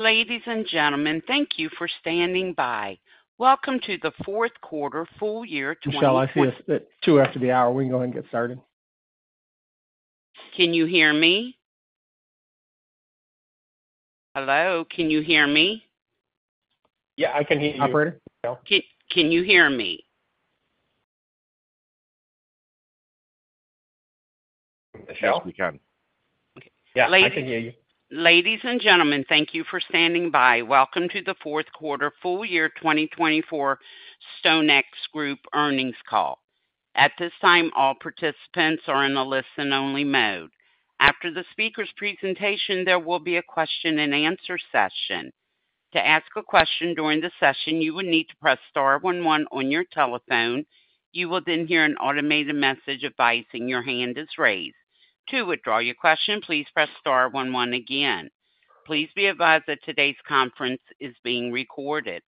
Ladies and gentlemen, thank you for standing by. Welcome to the fourth quarter full year 2020. Michelle, I see us at two after the hour. We can go ahead and get started. Can you hear me? Hello? Can you hear me? Yeah, I can hear you. Operator? Can you hear me? Michelle? Yes, we can. Okay. Ladies. Yeah, I can hear you. Ladies and gentlemen, thank you for standing by. Welcome to the fourth quarter full year 2024 StoneX Group earnings call. At this time, all participants are in a listen-only mode. After the speaker's presentation, there will be a question-and-answer session. To ask a question during the session, you will need to press star 11 on your telephone. You will then hear an automated message advising your hand is raised. To withdraw your question, please press star 11 again. Please be advised that today's conference is being recorded.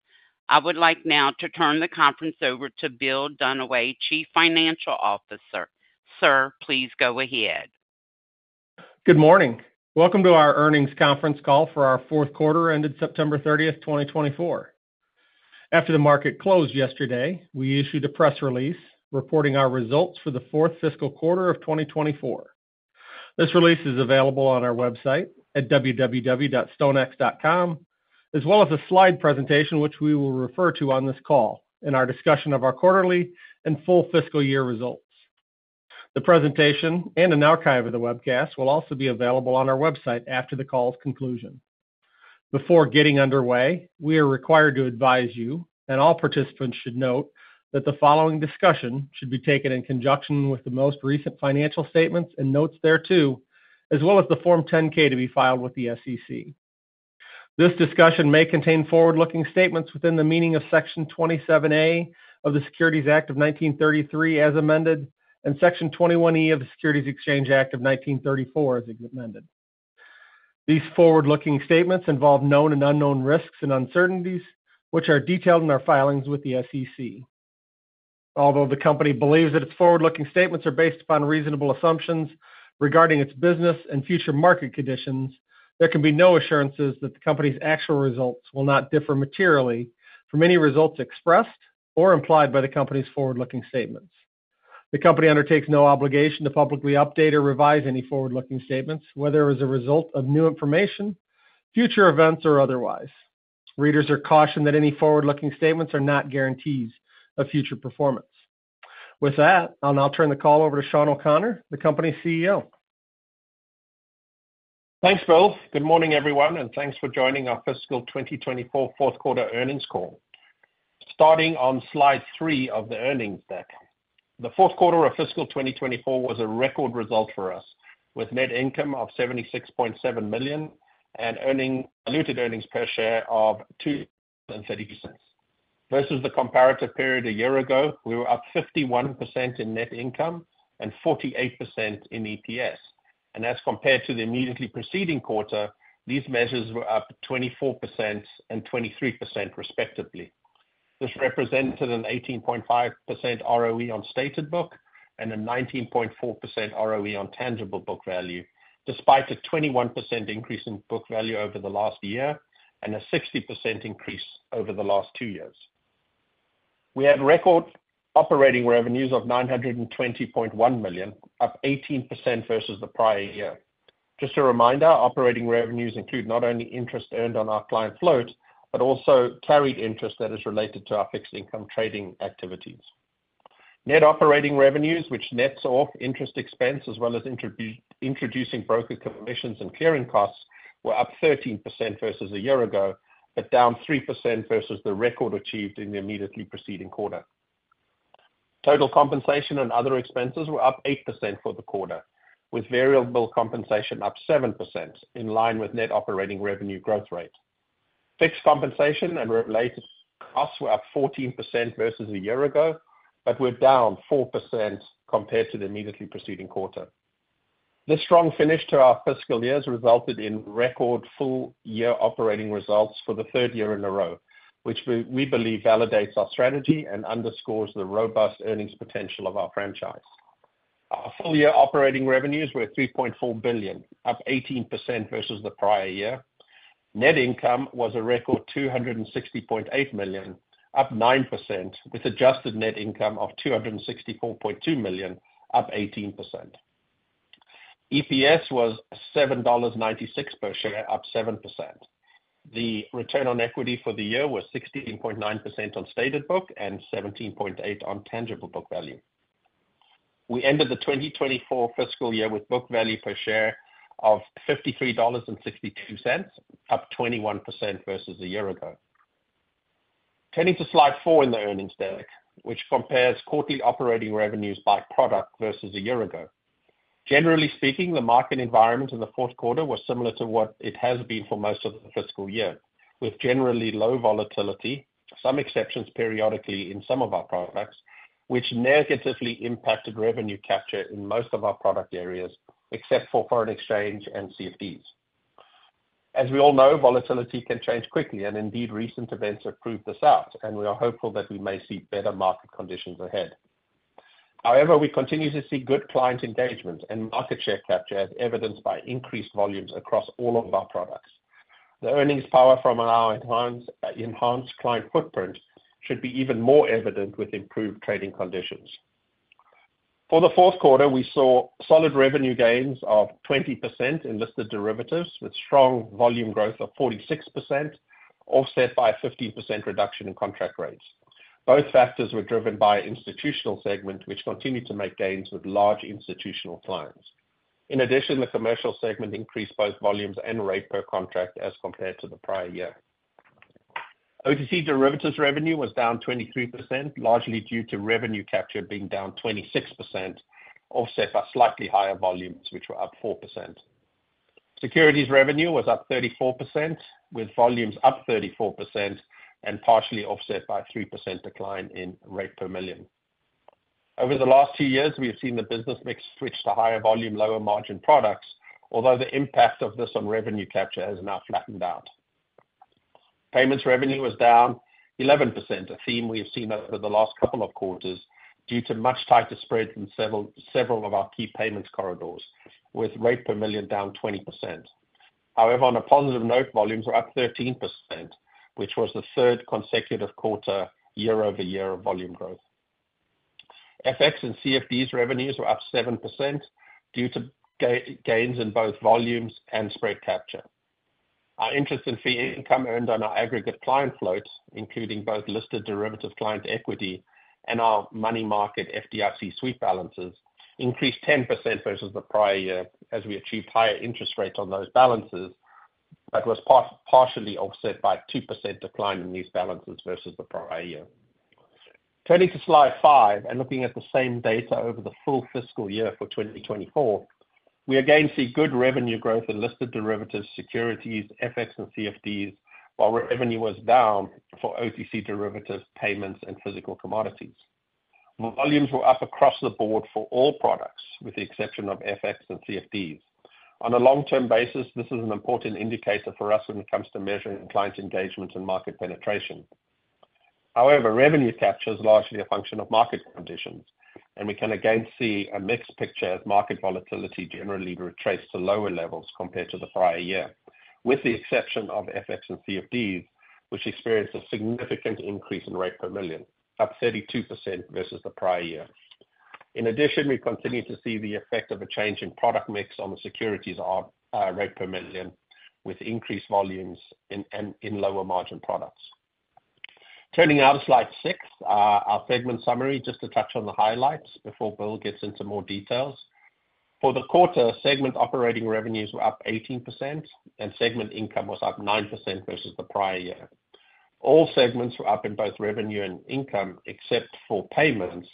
I would like now to turn the conference over to Bill Dunaway, Chief Financial Officer. Sir, please go ahead. Good morning. Welcome to our earnings conference call for our fourth quarter ended September 30th, 2024. After the market closed yesterday, we issued a press release reporting our results for the fourth fiscal quarter of 2024. This release is available on our website at www.stonex.com, as well as a slide presentation which we will refer to on this call in our discussion of our quarterly and full fiscal year results. The presentation and an archive of the webcast will also be available on our website after the call's conclusion. Before getting underway, we are required to advise you, and all participants should note that the following discussion should be taken in conjunction with the most recent financial statements and notes thereto, as well as the Form 10-K to be filed with the SEC. This discussion may contain forward-looking statements within the meaning of Section 27A of the Securities Act of 1933 as amended, and Section 21E of the Securities Exchange Act of 1934 as amended. These forward-looking statements involve known and unknown risks and uncertainties, which are detailed in our filings with the SEC. Although the company believes that its forward-looking statements are based upon reasonable assumptions regarding its business and future market conditions, there can be no assurances that the company's actual results will not differ materially from any results expressed or implied by the company's forward-looking statements. The company undertakes no obligation to publicly update or revise any forward-looking statements, whether as a result of new information, future events, or otherwise. Readers are cautioned that any forward-looking statements are not guarantees of future performance. With that, I'll now turn the call over to Sean O'Connor, the company's CEO. Thanks, Bill. Good morning, everyone, and thanks for joining our fiscal 2024 fourth quarter earnings call. Starting on Slide 3 of the earnings deck, the fourth quarter of fiscal 2024 was a record result for us, with net income of $76.7 million and diluted earnings per share of $2.30. Versus the comparative period a year ago, we were up 51% in net income and 48% in EPS. As compared to the immediately preceding quarter, these measures were up 24% and 23%, respectively. This represented an 18.5% ROE on stated book and a 19.4% ROE on tangible book value, despite a 21% increase in book value over the last year and a 60% increase over the last two years. We had record operating revenues of $920.1 million, up 18% versus the prior year. Just a reminder, operating revenues include not only interest earned on our client float, but also carried interest that is related to our fixed income trading activities. Net operating revenues, which nets off interest expense as well as introducing broker commissions and clearing costs, were up 13% versus a year ago, but down 3% versus the record achieved in the immediately preceding quarter. Total compensation and other expenses were up 8% for the quarter, with variable compensation up 7%, in line with net operating revenue growth rate. Fixed compensation and related costs were up 14% versus a year ago, but were down 4% compared to the immediately preceding quarter. This strong finish to our fiscal years resulted in record full year operating results for the third year in a row, which we believe validates our strategy and underscores the robust earnings potential of our franchise. Our full year operating revenues were $3.4 billion, up 18% versus the prior year. Net income was a record $260.8 million, up 9%, with adjusted net income of $264.2 million, up 18%. EPS was $7.96 per share, up 7%. The return on equity for the year was 16.9% on stated book and 17.8% on tangible book value. We ended the 2024 fiscal year with book value per share of $53.62, up 21% versus a year ago. Turning to Slide 4 in the earnings deck, which compares quarterly operating revenues by product versus a year ago. Generally speaking, the market environment in the fourth quarter was similar to what it has been for most of the fiscal year, with generally low volatility, some exceptions periodically in some of our products, which negatively impacted revenue capture in most of our product areas, except for foreign exchange and CFDs. As we all know, volatility can change quickly, and indeed recent events have proved this out, and we are hopeful that we may see better market conditions ahead. However, we continue to see good client engagement and market share capture, as evidenced by increased volumes across all of our products. The earnings power from our enhanced client footprint should be even more evident with improved trading conditions. For the fourth quarter, we saw solid revenue gains of 20% in listed derivatives, with strong volume growth of 46%, offset by a 15% reduction in contract rates. Both factors were driven by institutional segment, which continued to make gains with large institutional clients. In addition, the commercial segment increased both volumes and rate per contract as compared to the prior year. OTC derivatives revenue was down 23%, largely due to revenue capture being down 26%, offset by slightly higher volumes, which were up 4%. Securities revenue was up 34%, with volumes up 34% and partially offset by a 3% decline in rate per million. Over the last two years, we have seen the business mix switch to higher volume, lower margin products, although the impact of this on revenue capture has now flattened out. Payments revenue was down 11%, a theme we have seen over the last couple of quarters due to much tighter spreads in several of our key payments corridors, with rate per million down 20%. However, on a positive note, volumes were up 13%, which was the third consecutive quarter year-over-year of volume growth. FX and CFDs revenues were up 7% due to gains in both volumes and spread capture. Our interest and fee income earned on our aggregate client float, including both listed derivative client equity and our money market FDIC sweep balances, increased 10% versus the prior year as we achieved higher interest rates on those balances, but was partially offset by a 2% decline in these balances versus the prior year. Turning to Slide 5 and looking at the same data over the full fiscal year for 2024, we again see good revenue growth in listed derivatives, securities, FX, and CFDs, while revenue was down for OTC derivatives, payments, and physical commodities. Volumes were up across the board for all products, with the exception of FX and CFDs. On a long-term basis, this is an important indicator for us when it comes to measuring client engagement and market penetration. However, revenue capture is largely a function of market conditions, and we can again see a mixed picture as market volatility generally retraced to lower levels compared to the prior year, with the exception of FX and CFDs, which experienced a significant increase in rate per million, up 32% versus the prior year. In addition, we continue to see the effect of a change in product mix on the securities rate per million, with increased volumes in lower margin products. Turning now to Slide 6, our segment summary, just to touch on the highlights before Bill gets into more details. For the quarter, segment operating revenues were up 18%, and segment income was up 9% versus the prior year. All segments were up in both revenue and income, except for payments,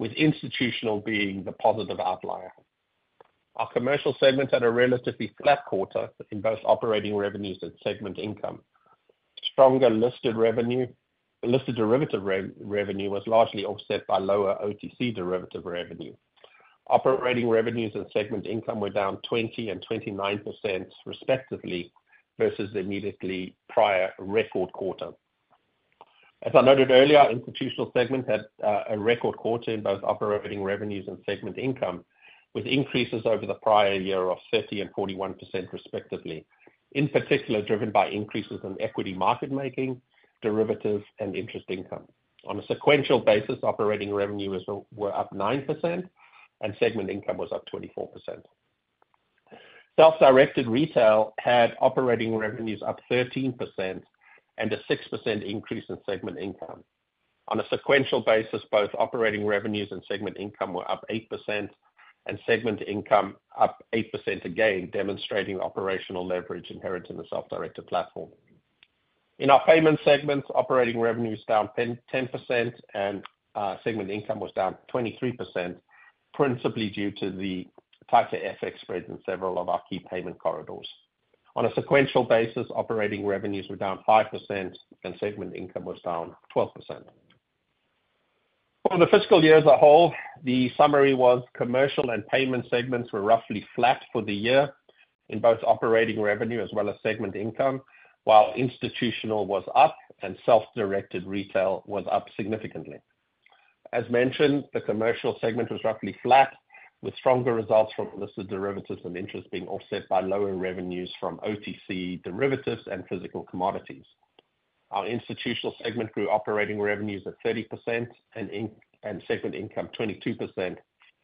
with institutional being the positive outlier. Our commercial segments had a relatively flat quarter in both operating revenues and segment income. Stronger listed derivative revenue was largely offset by lower OTC derivative revenue. Operating revenues and segment income were down 20% and 29%, respectively, versus the immediately prior record quarter. As I noted earlier, institutional segments had a record quarter in both operating revenues and segment income, with increases over the prior year of 30% and 41%, respectively, in particular driven by increases in equity market making, derivatives, and interest income. On a sequential basis, operating revenues were up 9%, and segment income was up 24%. Self-directed retail had operating revenues up 13% and a 6% increase in segment income. On a sequential basis, both operating revenues and segment income were up 8%, and segment income up 8% again, demonstrating operational leverage inherent in the self-directed platform. In our payment segments, operating revenues down 10%, and segment income was down 23%, principally due to the tighter FX spreads in several of our key payment corridors. On a sequential basis, operating revenues were down 5%, and segment income was down 12%. For the fiscal year as a whole, the summary was commercial and payment segments were roughly flat for the year in both operating revenue as well as segment income, while institutional was up and self-directed retail was up significantly. As mentioned, the commercial segment was roughly flat, with stronger results from listed derivatives and interest being offset by lower revenues from OTC derivatives and physical commodities. Our institutional segment grew operating revenues at 30% and segment income 22%,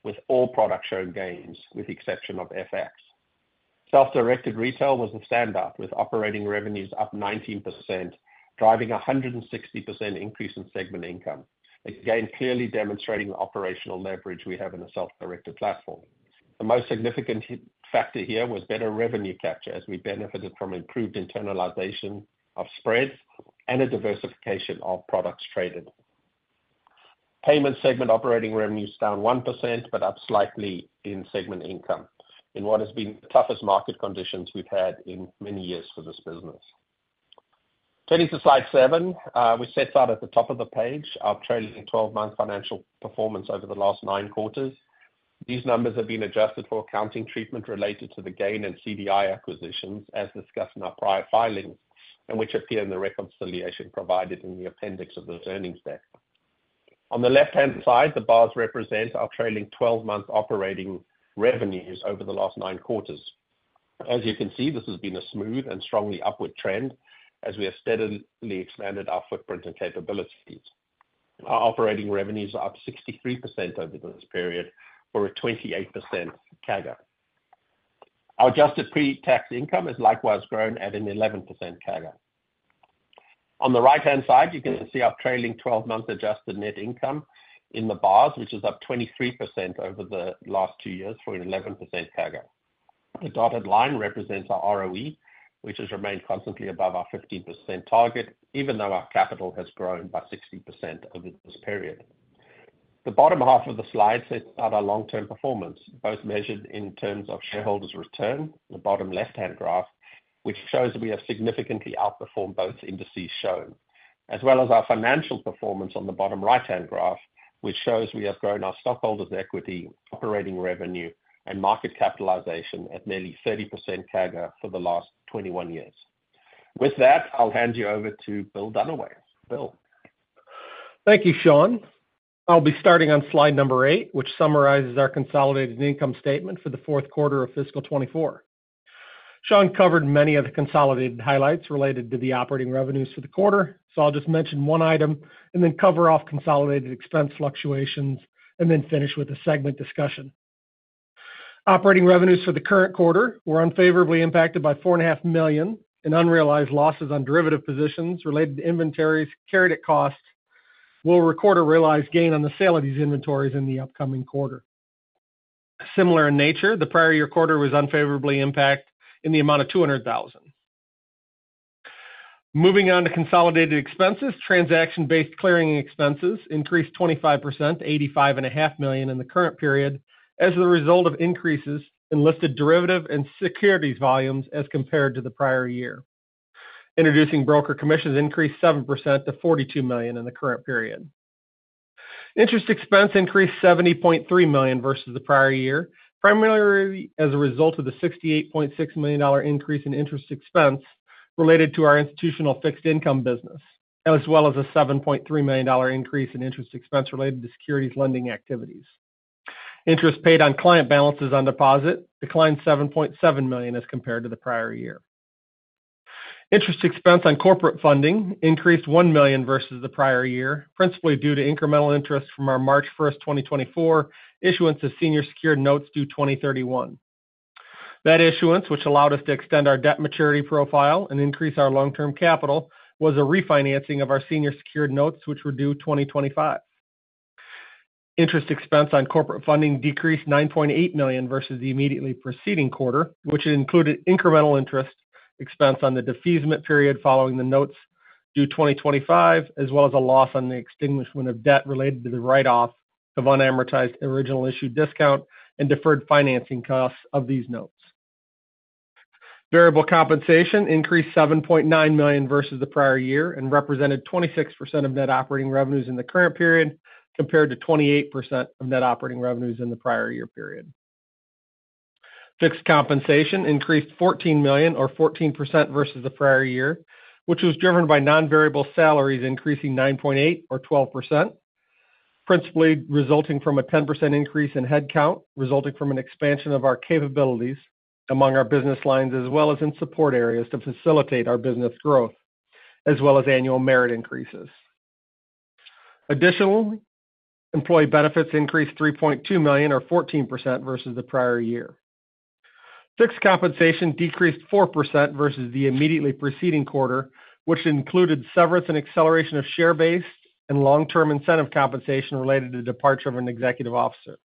with all products showing gains, with the exception of FX. Self-directed retail was the standout, with operating revenues up 19%, driving a 160% increase in segment income, again clearly demonstrating the operational leverage we have in a self-directed platform. The most significant factor here was better revenue capture, as we benefited from improved internalization of spreads and a diversification of products traded. Payment segment operating revenues down 1%, but up slightly in segment income in what has been the toughest market conditions we've had in many years for this business. Turning to Slide 7, we set out at the top of the page our trailing 12-month financial performance over the last nine quarters. These numbers have been adjusted for accounting treatment related to the gain in CDI acquisitions, as discussed in our prior filings, and which appear in the reconciliation provided in the appendix of the earnings deck. On the left-hand side, the bars represent our trailing 12-month operating revenues over the last nine quarters. As you can see, this has been a smooth and strongly upward trend as we have steadily expanded our footprint and capabilities. Our operating revenues are up 63% over this period for a 28% CAGR. Our adjusted pre-tax income has likewise grown at an 11% CAGR. On the right-hand side, you can see our trailing 12-month adjusted net income in the bars, which is up 23% over the last two years for an 11% CAGR. The dotted line represents our ROE, which has remained constantly above our 15% target, even though our capital has grown by 60% over this period. The bottom half of the Slide sets out our long-term performance, both measured in terms of shareholders' return, the bottom left-hand graph, which shows that we have significantly outperformed both indices shown, as well as our financial performance on the bottom right-hand graph, which shows we have grown our stockholders' equity, operating revenue, and market capitalization at nearly 30% CAGR for the last 21 years. With that, I'll hand you over to Bill Dunaway. Bill. Thank you, Sean. I'll be starting on Slide number eight, which summarizes our consolidated income statement for the fourth quarter of fiscal 2024. Sean covered many of the consolidated highlights related to the operating revenues for the quarter, so I'll just mention one item and then cover off consolidated expense fluctuations and then finish with a segment discussion. Operating revenues for the current quarter were unfavorably impacted by $4.5 million in unrealized losses on derivative positions related to inventories carried at cost. We'll record a realized gain on the sale of these inventories in the upcoming quarter. Similar in nature, the prior year quarter was unfavorably impacted in the amount of $200,000. Moving on to consolidated expenses, transaction-based clearing expenses increased 25% to $85.5 million in the current period as a result of increases in listed derivative and securities volumes as compared to the prior year. Introducing broker commissions increased 7% to $42 million in the current period. Interest expense increased $70.3 million versus the prior year, primarily as a result of the $68.6 million increase in interest expense related to our institutional fixed income business, as well as a $7.3 million increase in interest expense related to securities lending activities. Interest paid on client balances on deposit declined $7.7 million as compared to the prior year. Interest expense on corporate funding increased $1 million versus the prior year, principally due to incremental interest from our March 1, 2024, issuance of senior secured notes due 2031. That issuance, which allowed us to extend our debt maturity profile and increase our long-term capital, was a refinancing of our senior secured notes, which were due 2025. Interest expense on corporate funding decreased $9.8 million versus the immediately preceding quarter, which included incremental interest expense on the defeasance period following the notes due 2025, as well as a loss on the extinguishment of debt related to the write-off of unamortized original issue discount and deferred financing costs of these notes. Variable compensation increased $7.9 million versus the prior year and represented 26% of net operating revenues in the current period compared to 28% of net operating revenues in the prior year period. Fixed compensation increased $14 million, or 14% versus the prior year, which was driven by non-variable salaries increasing 9.8%, or 12%, principally resulting from a 10% increase in headcount resulting from an expansion of our capabilities among our business lines as well as in support areas to facilitate our business growth, as well as annual merit increases. Additionally, employee benefits increased $3.2 million, or 14% versus the prior year. Fixed compensation decreased 4% versus the immediately preceding quarter, which included severance and acceleration of share-based and long-term incentive compensation related to departure of an executive officer.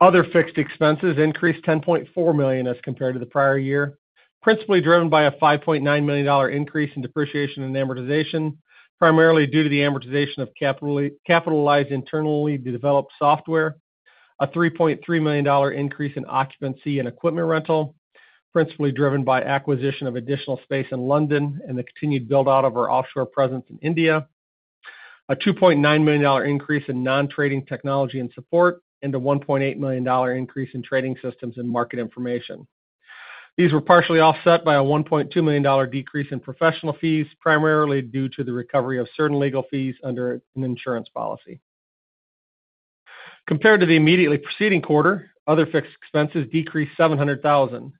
Other fixed expenses increased $10.4 million as compared to the prior year, principally driven by a $5.9 million increase in depreciation and amortization, primarily due to the amortization of capitalized internally developed software, a $3.3 million increase in occupancy and equipment rental, principally driven by acquisition of additional space in London and the continued build-out of our offshore presence in India, a $2.9 million increase in non-trading technology and support, and a $1.8 million increase in trading systems and market information. These were partially offset by a $1.2 million decrease in professional fees, primarily due to the recovery of certain legal fees under an insurance policy. Compared to the immediately preceding quarter, other fixed expenses decreased $700,000,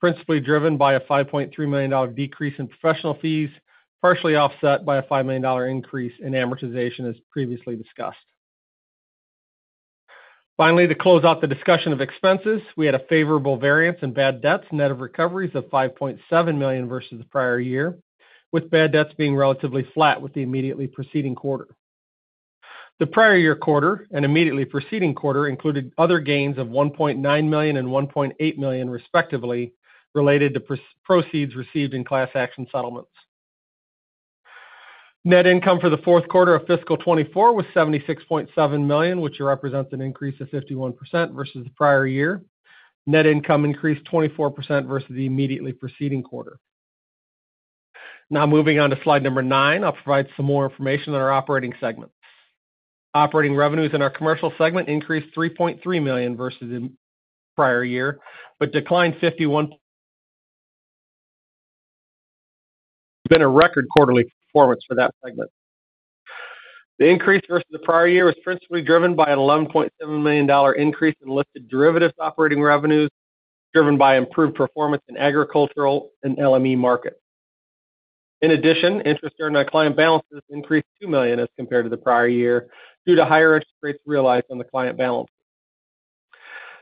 principally driven by a $5.3 million decrease in professional fees, partially offset by a $5 million increase in amortization, as previously discussed. Finally, to close out the discussion of expenses, we had a favorable variance in bad debts and net of recoveries of $5.7 million versus the prior year, with bad debts being relatively flat with the immediately preceding quarter. The prior year quarter and immediately preceding quarter included other gains of $1.9 million and $1.8 million, respectively, related to proceeds received in class action settlements. Net income for the fourth quarter of fiscal 2024 was $76.7 million, which represents an increase of 51% versus the prior year. Net income increased 24% versus the immediately preceding quarter. Now, moving on to Slide number 9, I'll provide some more information on our operating segments. Operating revenues in our commercial segment increased $3.3 million versus the prior year, but declined 51%. It's been a record quarterly performance for that segment. The increase versus the prior year was principally driven by an $11.7 million increase in listed derivatives operating revenues, driven by improved performance in agricultural and LME markets. In addition, interest earned on client balances increased $2 million as compared to the prior year due to higher interest rates realized on the client balances.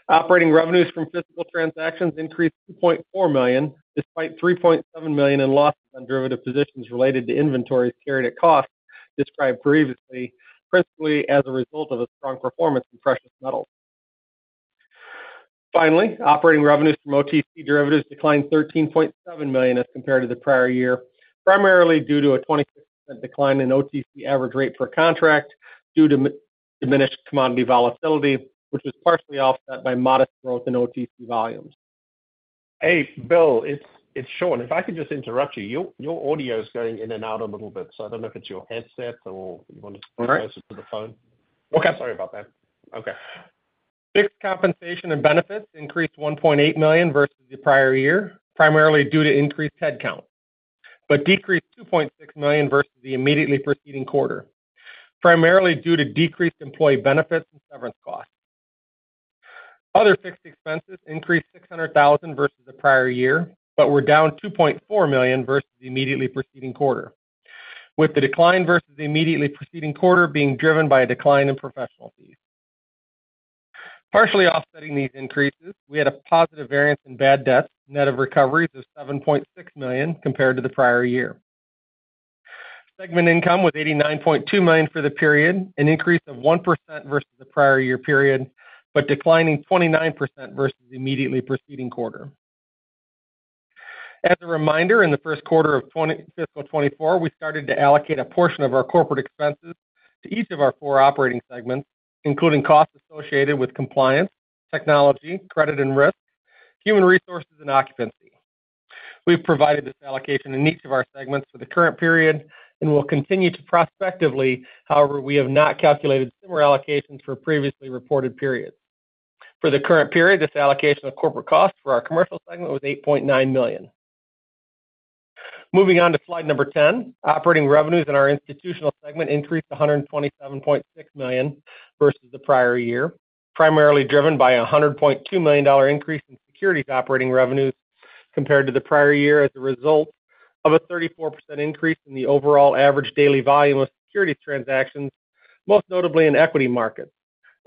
Operating revenues from physical transactions increased $2.4 million, despite $3.7 million in losses on derivative positions related to inventories carried at cost, described previously, principally as a result of a strong performance in precious metals. Finally, operating revenues from OTC derivatives declined $13.7 million as compared to the prior year, primarily due to a 26% decline in OTC average rate per contract due to diminished commodity volatility, which was partially offset by modest growth in OTC volumes. Hey, Bill, it's Sean. If I could just interrupt you, your audio is going in and out a little bit, so I don't know if it's your headset or you want to close it to the phone. Okay. Sorry about that. Okay. Fixed compensation and benefits increased $1.8 million versus the prior year, primarily due to increased headcount, but decreased $2.6 million versus the immediately preceding quarter, primarily due to decreased employee benefits and severance costs. Other fixed expenses increased $600,000 versus the prior year, but were down $2.4 million versus the immediately preceding quarter, with the decline versus the immediately preceding quarter being driven by a decline in professional fees. Partially offsetting these increases, we had a positive variance in bad debts, net of recoveries of $7.6 million compared to the prior year. Segment income was $89.2 million for the period, an increase of 1% versus the prior year period, but declining 29% versus the immediately preceding quarter. As a reminder, in the first quarter of fiscal 2024, we started to allocate a portion of our corporate expenses to each of our four operating segments, including costs associated with compliance, technology, credit and risk, human resources, and occupancy. We've provided this allocation in each of our segments for the current period and will continue to prospectively. However, we have not calculated similar allocations for previously reported periods. For the current period, this allocation of corporate costs for our commercial segment was $8.9 million. Moving on to Slide number 10, operating revenues in our institutional segment increased $127.6 million versus the prior year, primarily driven by a $100.2 million increase in securities operating revenues compared to the prior year as a result of a 34% increase in the overall average daily volume of securities transactions, most notably in equity markets,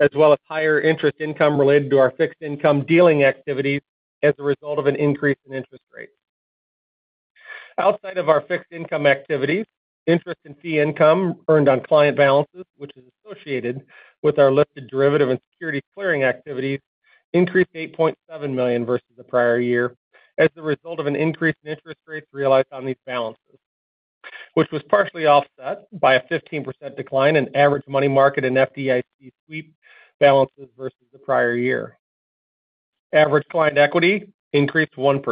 as well as higher interest income related to our fixed income dealing activities as a result of an increase in interest rates. Outside of our fixed income activities, interest and fee income earned on client balances, which is associated with our listed derivative and securities clearing activities, increased $8.7 million versus the prior year as a result of an increase in interest rates realized on these balances, which was partially offset by a 15% decline in average money market and FDIC sweep balances versus the prior year. Average client equity increased 1%.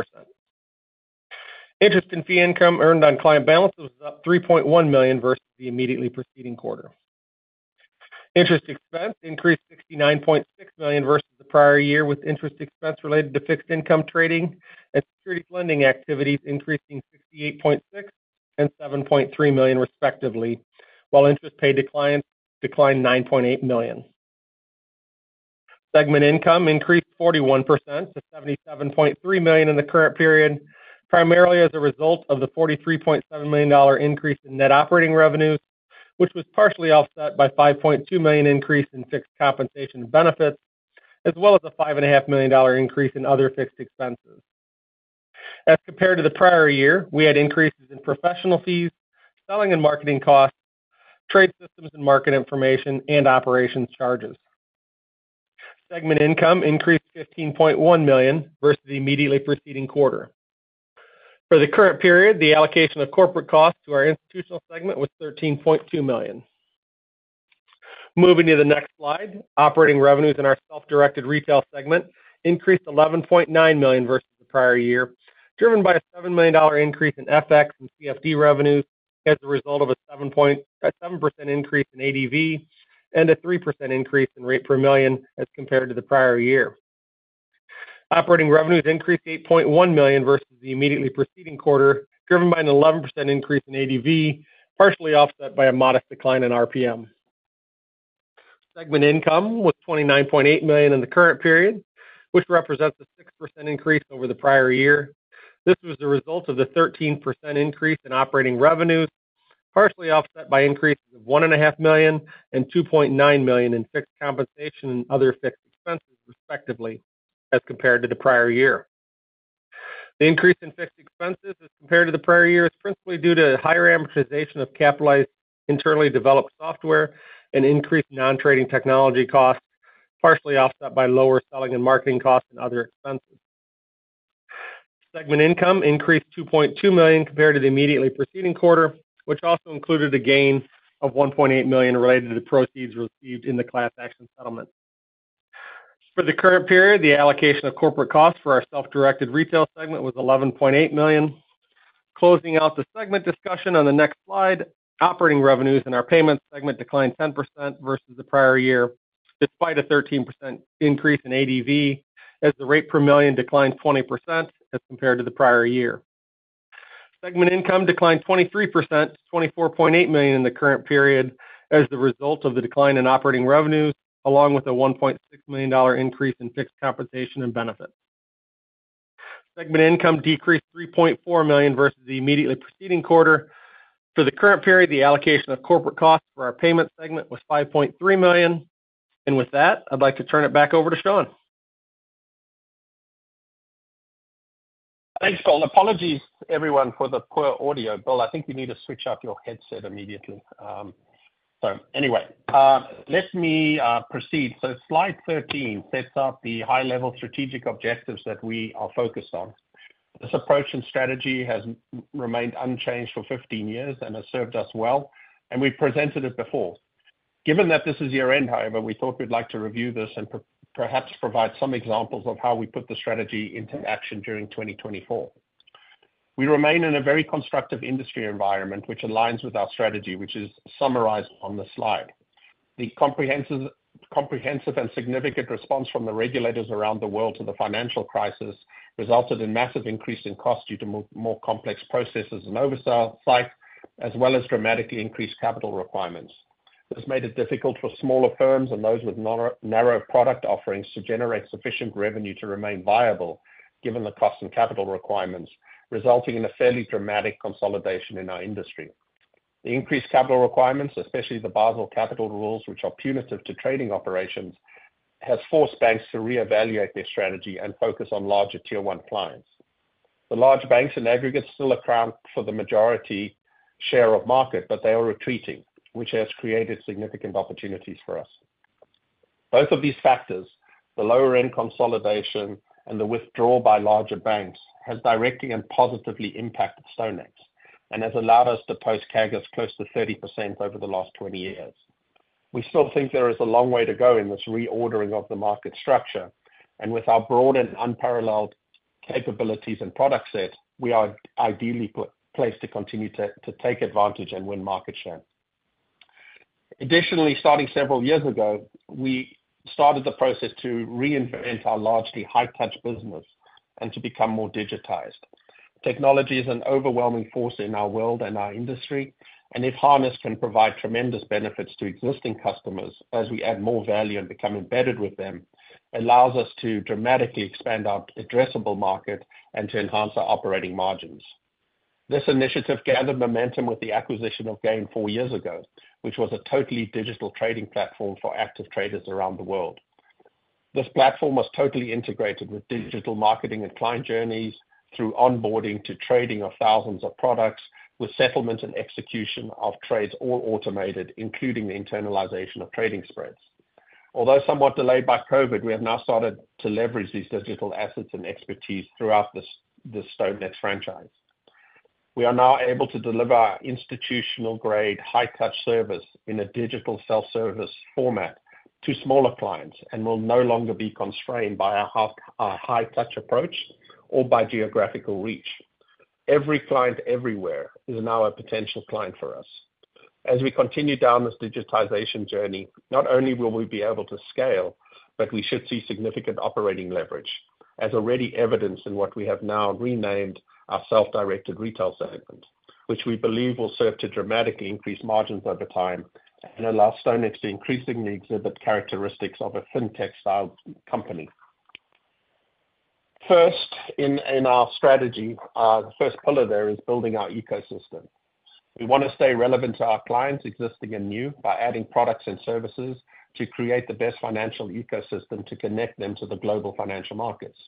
Interest and fee income earned on client balances was up $3.1 million versus the immediately preceding quarter. Interest expense increased $69.6 million versus the prior year, with interest expense related to fixed income trading and securities lending activities increasing $68.6 and $7.3 million, respectively, while interest paid declined $9.8 million. Segment income increased 41% to $77.3 million in the current period, primarily as a result of the $43.7 million increase in net operating revenues, which was partially offset by a $5.2 million increase in fixed compensation and benefits, as well as a $5.5 million increase in other fixed expenses. As compared to the prior year, we had increases in professional fees, selling and marketing costs, trade systems and market information, and operations charges. Segment income increased $15.1 million versus the immediately preceding quarter. For the current period, the allocation of corporate costs to our institutional segment was $13.2 million. Moving to the next Slide, operating revenues in our self-directed retail segment increased $11.9 million versus the prior year, driven by a $7 million increase in FX and CFD revenues as a result of a 7% increase in ADV and a 3% increase in rate per million as compared to the prior year. Operating revenues increased $8.1 million versus the immediately preceding quarter, driven by an 11% increase in ADV, partially offset by a modest decline in RPM. Segment income was $29.8 million in the current period, which represents a 6% increase over the prior year. This was the result of the 13% increase in operating revenues, partially offset by increases of $1.5 million and $2.9 million in fixed compensation and other fixed expenses, respectively, as compared to the prior year. The increase in fixed expenses, as compared to the prior year, is principally due to higher amortization of capitalized internally developed software and increased non-trading technology costs, partially offset by lower selling and marketing costs and other expenses. Segment income increased $2.2 million compared to the immediately preceding quarter, which also included a gain of $1.8 million related to the proceeds received in the class action settlement. For the current period, the allocation of corporate costs for our self-directed retail segment was $11.8 million. Closing out the segment discussion on the next Slide, operating revenues in our payments segment declined 10% versus the prior year, despite a 13% increase in ADV, as the rate per million declined 20% as compared to the prior year. Segment income declined 23% to $24.8 million in the current period as a result of the decline in operating revenues, along with a $1.6 million increase in fixed compensation and benefits. Segment income decreased $3.4 million versus the immediately preceding quarter. For the current period, the allocation of corporate costs for our payments segment was $5.3 million. And with that, I'd like to turn it back over to Sean. Apologies, everyone, for the poor audio. Bill, I think you need to switch out your headset immediately. So anyway, let me proceed. So Slide 13 sets up the high-level strategic objectives that we are focused on. This approach and strategy has remained unchanged for 15 years and has served us well, and we've presented it before. Given that this is year-end, however, we thought we'd like to review this and perhaps provide some examples of how we put the strategy into action during 2024. We remain in a very constructive industry environment, which aligns with our strategy, which is summarized on the Slide. The comprehensive and significant response from the regulators around the world to the financial crisis resulted in massive increases in costs due to more complex processes and oversight, as well as dramatically increased capital requirements. This made it difficult for smaller firms and those with narrow product offerings to generate sufficient revenue to remain viable, given the cost and capital requirements, resulting in a fairly dramatic consolidation in our industry. The increased capital requirements, especially the Basel Capital Rules, which are punitive to trading operations, have forced banks to reevaluate their strategy and focus on larger tier-one clients. The large banks in aggregate still account for the majority share of market, but they are retreating, which has created significant opportunities for us. Both of these factors, the lower-end consolidation and the withdrawal by larger banks, have directly and positively impacted StoneX and have allowed us to post CAGRs close to 30% over the last 20 years. We still think there is a long way to go in this reordering of the market structure, and with our broad and unparalleled capabilities and product set, we are ideally placed to continue to take advantage and win market share. Additionally, starting several years ago, we started the process to reinvent our largely high-touch business and to become more digitized. Technology is an overwhelming force in our world and our industry, and if harnessed can provide tremendous benefits to existing customers as we add more value and become embedded with them, it allows us to dramatically expand our addressable market and to enhance our operating margins. This initiative gathered momentum with the acquisition of GAIN four years ago, which was a totally digital trading platform for active traders around the world. This platform was totally integrated with digital marketing and client journeys through onboarding to trading of thousands of products, with settlement and execution of trades all automated, including the internalization of trading spreads. Although somewhat delayed by COVID, we have now started to leverage these digital assets and expertise throughout the StoneX franchise. We are now able to deliver institutional-grade high-touch service in a digital self-service format to smaller clients and will no longer be constrained by our high-touch approach or by geographical reach. Every client everywhere is now a potential client for us. As we continue down this digitization journey, not only will we be able to scale, but we should see significant operating leverage, as already evidenced in what we have now renamed our self-directed retail segment, which we believe will serve to dramatically increase margins over time and allow StoneX to increasingly exhibit characteristics of a fintech-style company. First, in our strategy, the first pillar there is building our ecosystem. We want to stay relevant to our clients, existing and new, by adding products and services to create the best financial ecosystem to connect them to the global financial markets.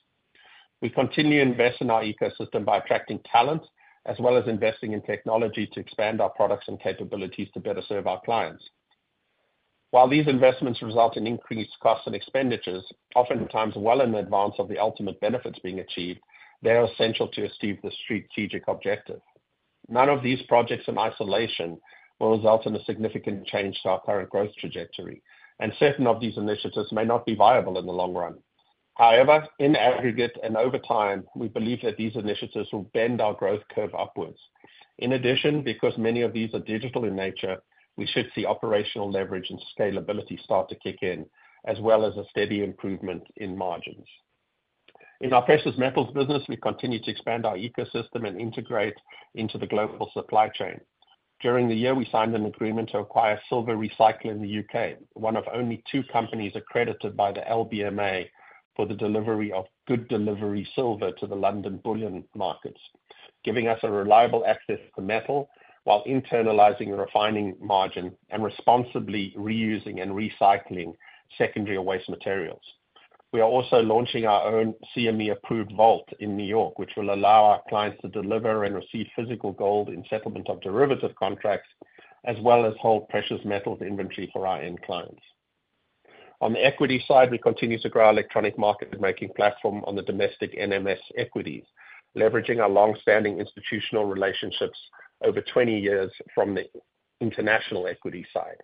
We continue to invest in our ecosystem by attracting talent, as well as investing in technology to expand our products and capabilities to better serve our clients. While these investments result in increased costs and expenditures, oftentimes well in advance of the ultimate benefits being achieved, they are essential to achieve the strategic objective. None of these projects in isolation will result in a significant change to our current growth trajectory, and certain of these initiatives may not be viable in the long run. However, in aggregate and over time, we believe that these initiatives will bend our growth curve upwards. In addition, because many of these are digital in nature, we should see operational leverage and scalability start to kick in, as well as a steady improvement in margins. In our precious metals business, we continue to expand our ecosystem and integrate into the global supply chain. During the year, we signed an agreement to acquire silver recycling in the U.K., one of only two companies accredited by the LBMA for the delivery of Good Delivery silver to the London bullion markets, giving us reliable access to metal while internalizing and refining margin and responsibly reusing and recycling secondary or waste materials. We are also launching our own CME-approved vault in New York, which will allow our clients to deliver and receive physical gold in settlement of derivative contracts, as well as hold precious metals inventory for our end clients. On the equity side, we continue to grow our electronic market-making platform on the domestic NMS equities, leveraging our long-standing institutional relationships over 20 years from the international equity side.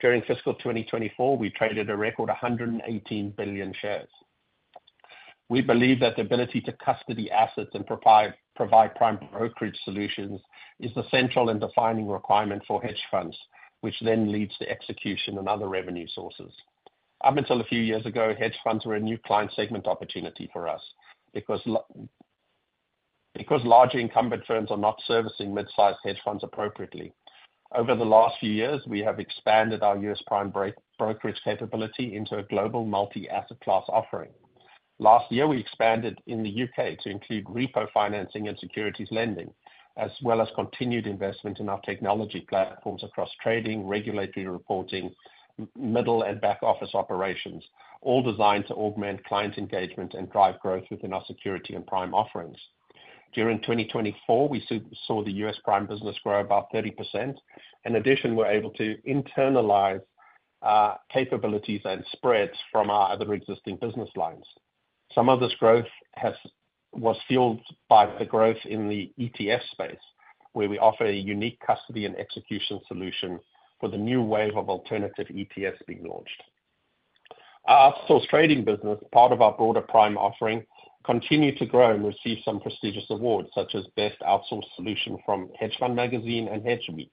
During fiscal 2024, we traded a record 118 billion shares. We believe that the ability to custody assets and provide prime brokerage solutions is the central and defining requirement for hedge funds, which then leads to execution and other revenue sources. Up until a few years ago, hedge funds were a new client segment opportunity for us because larger incumbent firms are not servicing mid-sized hedge funds appropriately. Over the last few years, we have expanded our U.S. prime brokerage capability into a global multi-asset class offering. Last year, we expanded in the U.K. to include repo financing and securities lending, as well as continued investment in our technology platforms across trading, regulatory reporting, middle and back office operations, all designed to augment client engagement and drive growth within our securities and prime offerings. During 2024, we saw the U.S. prime business grow about 30%. In addition, we're able to internalize capabilities and spreads from our other existing business lines. Some of this growth was fueled by the growth in the ETF space, where we offer a unique custody and execution solution for the new wave of alternative ETFs being launched. Our outsource trading business, part of our broader prime offering, continued to grow and receive some prestigious awards, such as Best Outsource Solution from Hedge Fund Magazine and HedgeWeek,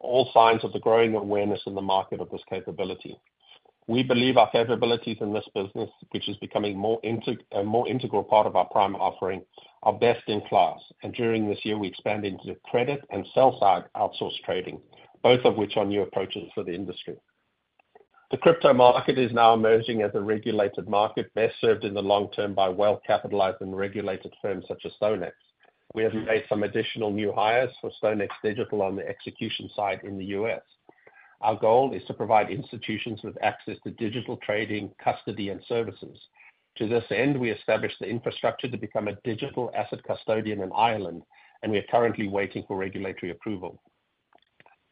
all signs of the growing awareness in the market of this capability. We believe our capabilities in this business, which is becoming a more integral part of our prime offering, are best in class. During this year, we expanded into the credit and sell-side outsource trading, both of which are new approaches for the industry. The crypto market is now emerging as a regulated market, best served in the long term by well-capitalized and regulated firms such as StoneX. We have made some additional new hires for StoneX Digital on the execution side in the U.S. Our goal is to provide institutions with access to digital trading, custody, and services. To this end, we established the infrastructure to become a digital asset custodian in Ireland, and we are currently waiting for regulatory approval.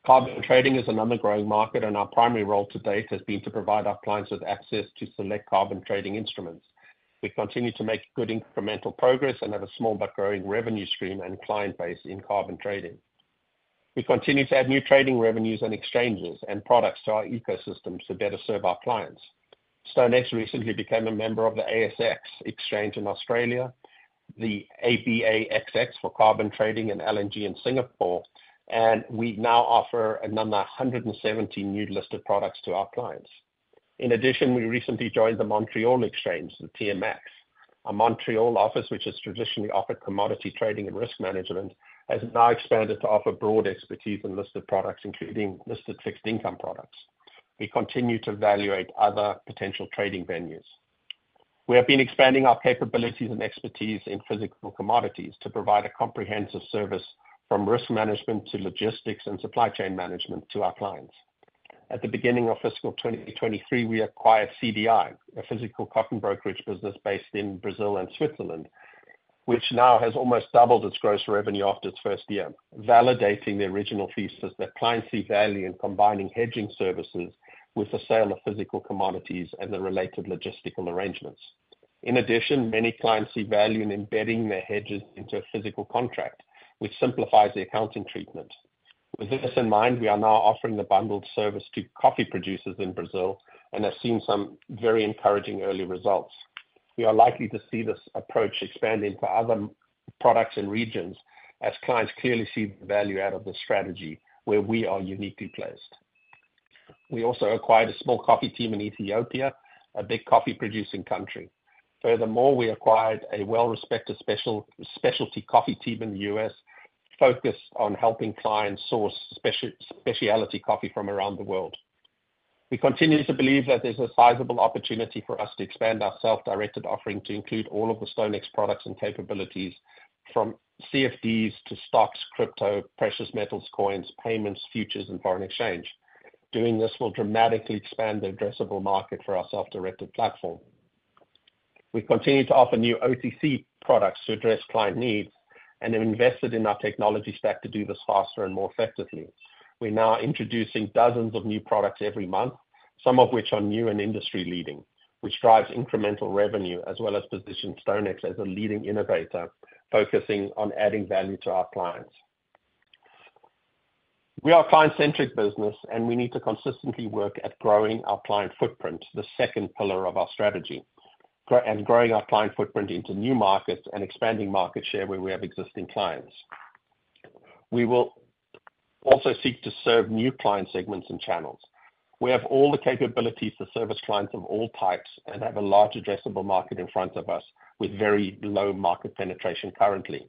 Carbon trading is an undergrowing market, and our primary role to date has been to provide our clients with access to select carbon trading instruments. We continue to make good incremental progress and have a small but growing revenue stream and client base in carbon trading. We continue to add new trading revenues and exchanges and products to our ecosystems to better serve our clients. StoneX recently became a member of the ASX Exchange in Australia, the Abaxx for carbon trading and LNG in Singapore, and we now offer another 170 new listed products to our clients. In addition, we recently joined the Montreal Exchange, the TMX. Our Montreal office, which has traditionally offered commodity trading and risk management, has now expanded to offer broad expertise in listed products, including listed fixed income products. We continue to evaluate other potential trading venues. We have been expanding our capabilities and expertise in physical commodities to provide a comprehensive service from risk management to logistics and supply chain management to our clients. At the beginning of fiscal 2023, we acquired CDI, a physical cotton brokerage business based in Brazil and Switzerland, which now has almost doubled its gross revenue after its first year, validating the original thesis that clients see value in combining hedging services with the sale of physical commodities and the related logistical arrangements. In addition, many clients see value in embedding their hedges into a physical contract, which simplifies the accounting treatment. With this in mind, we are now offering the bundled service to coffee producers in Brazil and have seen some very encouraging early results. We are likely to see this approach expand into other products and regions as clients clearly see the value out of this strategy, where we are uniquely placed. We also acquired a small coffee team in Ethiopia, a big coffee-producing country. Furthermore, we acquired a well-respected specialty coffee team in the U.S. focused on helping clients source specialty coffee from around the world. We continue to believe that there's a sizable opportunity for us to expand our self-directed offering to include all of the StoneX products and capabilities, from CFDs to stocks, crypto, precious metals, coins, payments, futures, and foreign exchange. Doing this will dramatically expand the addressable market for our self-directed platform. We continue to offer new OTC products to address client needs and have invested in our technology stack to do this faster and more effectively. We're now introducing dozens of new products every month, some of which are new and industry-leading, which drives incremental revenue, as well as positioning StoneX as a leading innovator focusing on adding value to our clients. We are a client-centric business, and we need to consistently work at growing our client footprint, the second pillar of our strategy, and growing our client footprint into new markets and expanding market share where we have existing clients. We will also seek to serve new client segments and channels. We have all the capabilities to service clients of all types and have a large addressable market in front of us with very low market penetration currently.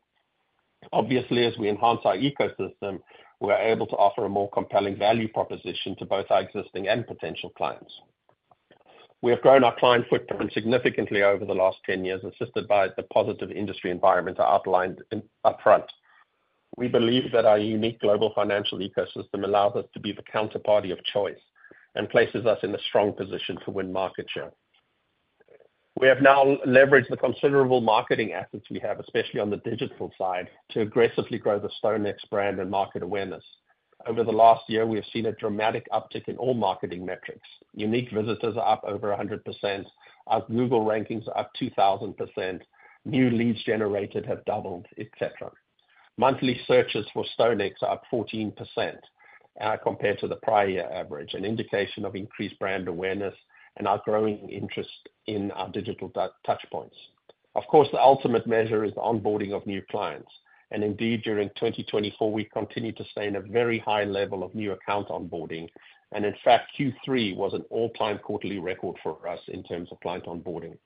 Obviously, as we enhance our ecosystem, we're able to offer a more compelling value proposition to both our existing and potential clients. We have grown our client footprint significantly over the last 10 years, assisted by the positive industry environment outlined upfront. We believe that our unique global financial ecosystem allows us to be the counterparty of choice and places us in a strong position to win market share. We have now leveraged the considerable marketing assets we have, especially on the digital side, to aggressively grow the StoneX brand and market awareness. Over the last year, we have seen a dramatic uptick in all marketing metrics. Unique visitors are up over 100%. Our Google rankings are up 2,000%. New leads generated have doubled, etc. Monthly searches for StoneX are up 14% compared to the prior year average, an indication of increased brand awareness and our growing interest in our digital touchpoints. Of course, the ultimate measure is the onboarding of new clients, and indeed, during 2024, we continue to stay in a very high level of new account onboarding, and in fact, Q3 was an all-time quarterly record for us in terms of client onboarding.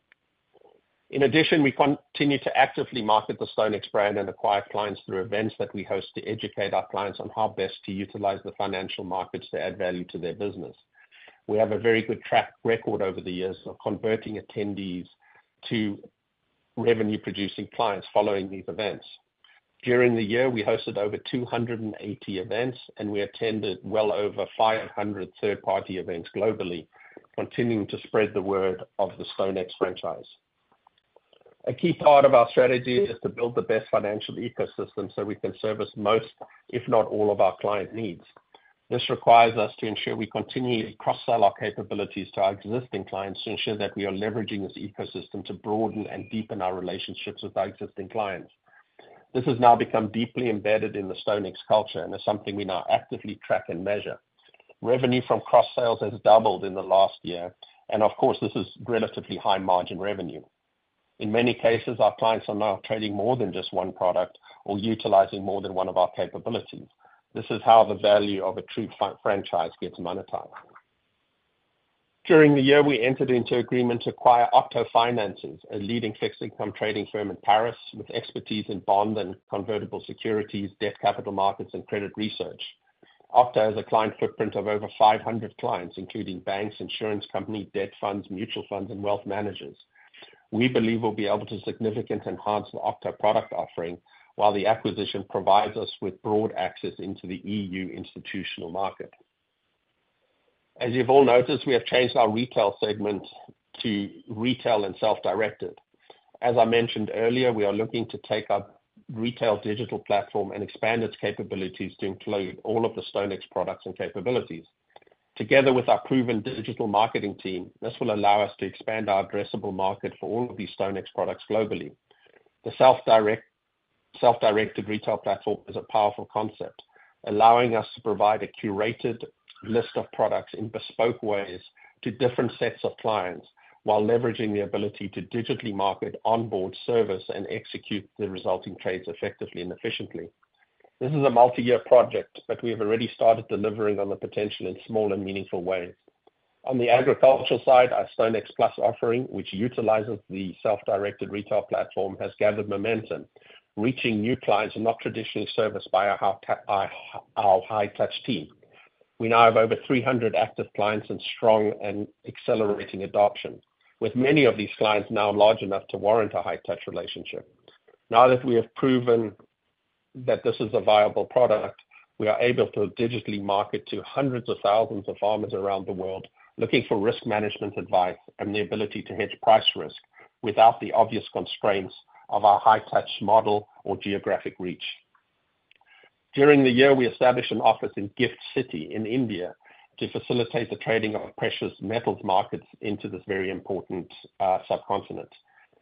In addition, we continue to actively market the StoneX brand and acquire clients through events that we host to educate our clients on how best to utilize the financial markets to add value to their business. We have a very good track record over the years of converting attendees to revenue-producing clients following these events. During the year, we hosted over 280 events, and we attended well over 500 third-party events globally, continuing to spread the word of the StoneX franchise. A key part of our strategy is to build the best financial ecosystem so we can service most, if not all, of our client needs. This requires us to ensure we continually cross-sell our capabilities to our existing clients to ensure that we are leveraging this ecosystem to broaden and deepen our relationships with our existing clients. This has now become deeply embedded in the StoneX culture and is something we now actively track and measure. Revenue from cross-sales has doubled in the last year, and of course, this is relatively high-margin revenue. In many cases, our clients are now trading more than just one product or utilizing more than one of our capabilities. This is how the value of a true franchise gets monetized. During the year, we entered into agreement to acquire Octo Finances, a leading fixed income trading firm in Paris with expertise in bond and convertible securities, debt capital markets, and credit research. Octo has a client footprint of over 500 clients, including banks, insurance companies, debt funds, mutual funds, and wealth managers. We believe we'll be able to significantly enhance the Octo product offering while the acquisition provides us with broad access into the EU institutional market. As you've all noticed, we have changed our retail segment to retail and self-directed. As I mentioned earlier, we are looking to take our retail digital platform and expand its capabilities to include all of the StoneX products and capabilities. Together with our proven digital marketing team, this will allow us to expand our addressable market for all of these StoneX products globally. The self-directed retail platform is a powerful concept, allowing us to provide a curated list of products in bespoke ways to different sets of clients while leveraging the ability to digitally market, onboard, service, and execute the resulting trades effectively and efficiently. This is a multi-year project, but we have already started delivering on the potential in small and meaningful ways. On the agricultural side, our StoneX Plus offering, which utilizes the self-directed retail platform, has gathered momentum, reaching new clients not traditionally serviced by our high-touch team. We now have over 300 active clients and strong and accelerating adoption, with many of these clients now large enough to warrant a high-touch relationship. Now that we have proven that this is a viable product, we are able to digitally market to hundreds of thousands of farmers around the world looking for risk management advice and the ability to hedge price risk without the obvious constraints of our high-touch model or geographic reach. During the year, we established an office in GIFT City in India to facilitate the trading of precious metals markets into this very important subcontinent.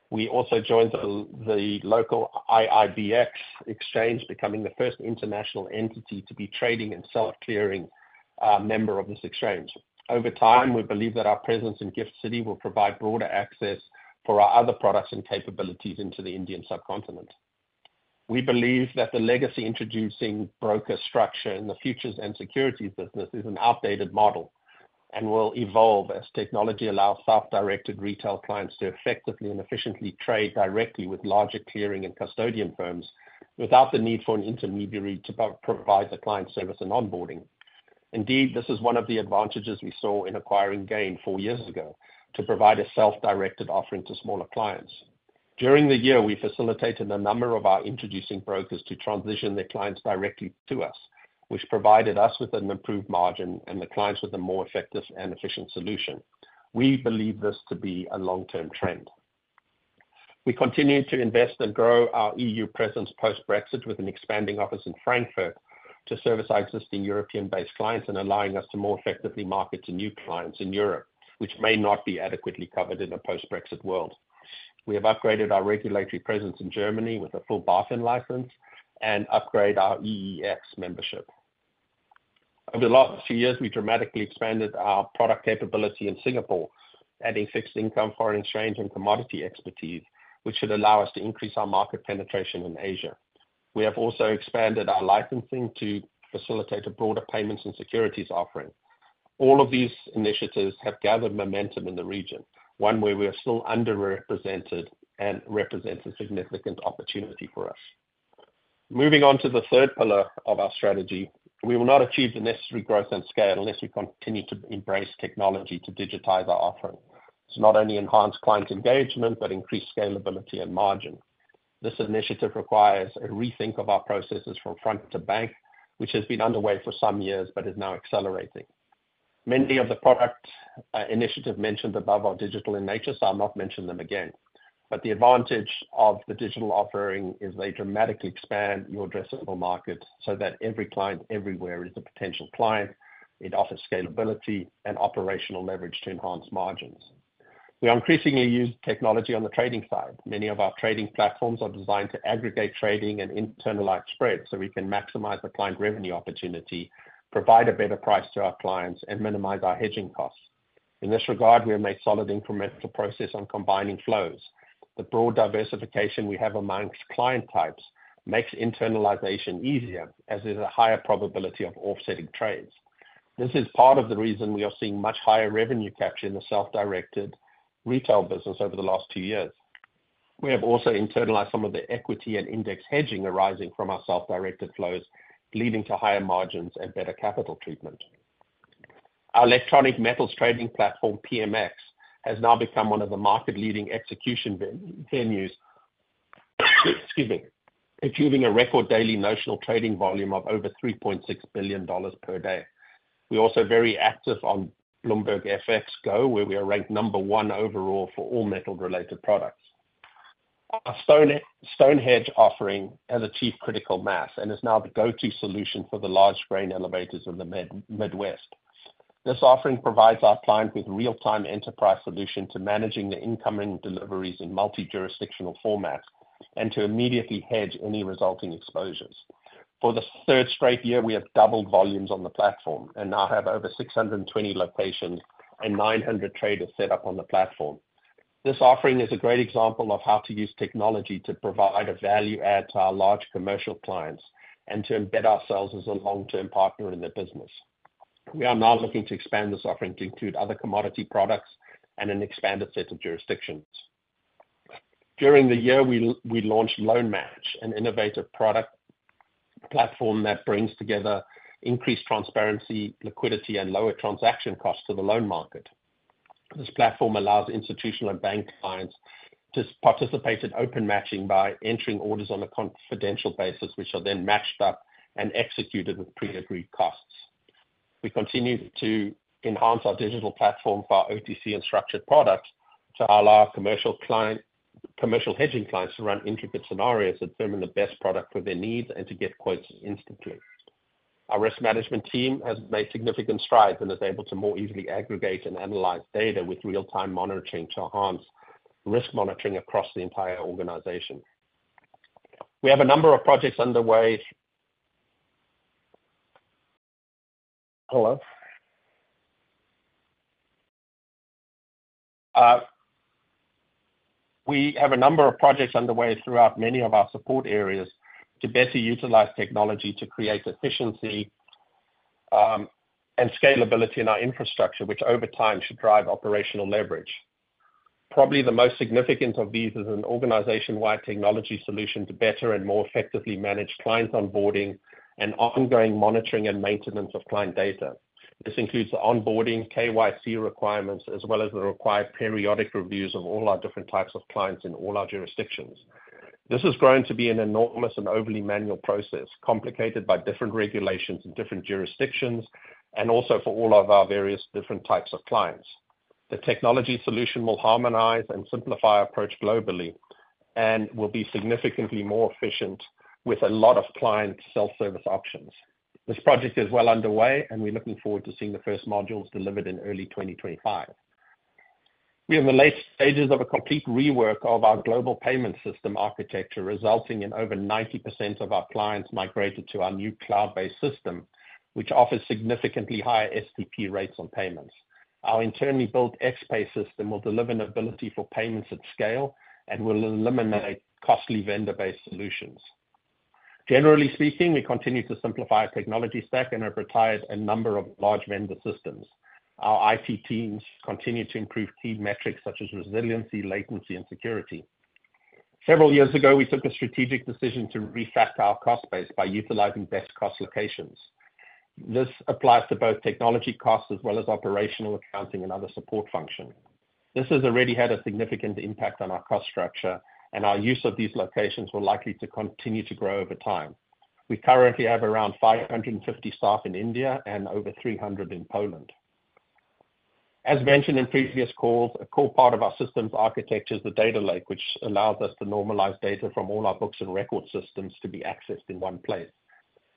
We also joined the local IIBX Exchange, becoming the first international entity to be trading and self-clearing member of this exchange. Over time, we believe that our presence in GIFT City will provide broader access for our other products and capabilities into the Indian subcontinent. We believe that the legacy introducing broker structure in the futures and securities business is an outdated model and will evolve as technology allows self-directed retail clients to effectively and efficiently trade directly with larger clearing and custodian firms without the need for an intermediary to provide the client service and onboarding. Indeed, this is one of the advantages we saw in acquiring GAIN four years ago to provide a self-directed offering to smaller clients. During the year, we facilitated a number of our introducing brokers to transition their clients directly to us, which provided us with an improved margin and the clients with a more effective and efficient solution. We believe this to be a long-term trend. We continue to invest and grow our EU presence post-Brexit with an expanding office in Frankfurt to service our existing European-based clients and allowing us to more effectively market to new clients in Europe, which may not be adequately covered in a post-Brexit world. We have upgraded our regulatory presence in Germany with a full BaFin license and upgrade our EEX membership. Over the last few years, we dramatically expanded our product capability in Singapore, adding fixed income, foreign exchange, and commodity expertise, which should allow us to increase our market penetration in Asia. We have also expanded our licensing to facilitate a broader payments and securities offering. All of these initiatives have gathered momentum in the region, one where we are still underrepresented and represents a significant opportunity for us. Moving on to the third pillar of our strategy, we will not achieve the necessary growth and scale unless we continue to embrace technology to digitize our offering. It's not only enhanced client engagement, but increased scalability and margin. This initiative requires a rethink of our processes from front to back, which has been underway for some years but is now accelerating. Many of the product initiatives mentioned above are digital in nature, so I'll not mention them again. But the advantage of the digital offering is they dramatically expand your addressable market so that every client everywhere is a potential client. It offers scalability and operational leverage to enhance margins. We are increasingly using technology on the trading side. Many of our trading platforms are designed to aggregate trading and internalize spreads so we can maximize the client revenue opportunity, provide a better price to our clients, and minimize our hedging costs. In this regard, we have made solid incremental progress on combining flows. The broad diversification we have among client types makes internalization easier, as there's a higher probability of offsetting trades. This is part of the reason we are seeing much higher revenue capture in the self-directed retail business over the last two years. We have also internalized some of the equity and index hedging arising from our self-directed flows, leading to higher margins and better capital treatment. Our electronic metals trading platform, PMX, has now become one of the market-leading execution venues, excuse me, achieving a record daily notional trading volume of over $3.6 billion per day. We are also very active on Bloomberg FXGO, where we are ranked number one overall for all metal-related products. Our StoneHedge offering has achieved critical mass and is now the go-to solution for the large grain elevators in the Midwest. This offering provides our client with real-time enterprise solution to managing the incoming deliveries in multi-jurisdictional formats and to immediately hedge any resulting exposures. For the third straight year, we have doubled volumes on the platform and now have over 620 locations and 900 traders set up on the platform. This offering is a great example of how to use technology to provide a value add to our large commercial clients and to embed ourselves as a long-term partner in the business. We are now looking to expand this offering to include other commodity products and an expanded set of jurisdictions. During the year, we launched LoanMatch, an innovative product platform that brings together increased transparency, liquidity, and lower transaction costs to the loan market. This platform allows institutional and bank clients to participate in open matching by entering orders on a confidential basis, which are then matched up and executed with pre-agreed costs. We continue to enhance our digital platform for our OTC and structured products to allow commercial hedging clients to run intricate scenarios and determine the best product for their needs and to get quotes instantly. Our risk management team has made significant strides and is able to more easily aggregate and analyze data with real-time monitoring to enhance risk monitoring across the entire organization. We have a number of projects underway. Hello. We have a number of projects underway throughout many of our support areas to better utilize technology to create efficiency and scalability in our infrastructure, which over time should drive operational leverage. Probably the most significant of these is an organization-wide technology solution to better and more effectively manage client onboarding and ongoing monitoring and maintenance of client data. This includes the onboarding KYC requirements as well as the required periodic reviews of all our different types of clients in all our jurisdictions. This has grown to be an enormous and overly manual process, complicated by different regulations in different jurisdictions and also for all of our various different types of clients. The technology solution will harmonize and simplify our approach globally and will be significantly more efficient with a lot of client self-service options. This project is well underway, and we're looking forward to seeing the first modules delivered in early 2025. We are in the late stages of a complete rework of our global payment system architecture, resulting in over 90% of our clients migrated to our new cloud-based system, which offers significantly higher STP rates on payments. Our internally built XPay system will deliver an ability for payments at scale and will eliminate costly vendor-based solutions. Generally speaking, we continue to simplify our technology stack and have retired a number of large vendor systems. Our IT teams continue to improve key metrics such as resiliency, latency, and security. Several years ago, we took a strategic decision to refactor our cost base by utilizing best cost locations. This applies to both technology costs as well as operational accounting and other support functions. This has already had a significant impact on our cost structure, and our use of these locations will likely continue to grow over time. We currently have around 550 staff in India and over 300 in Poland. As mentioned in previous calls, a core part of our system's architecture is the data lake, which allows us to normalize data from all our books and record systems to be accessed in one place.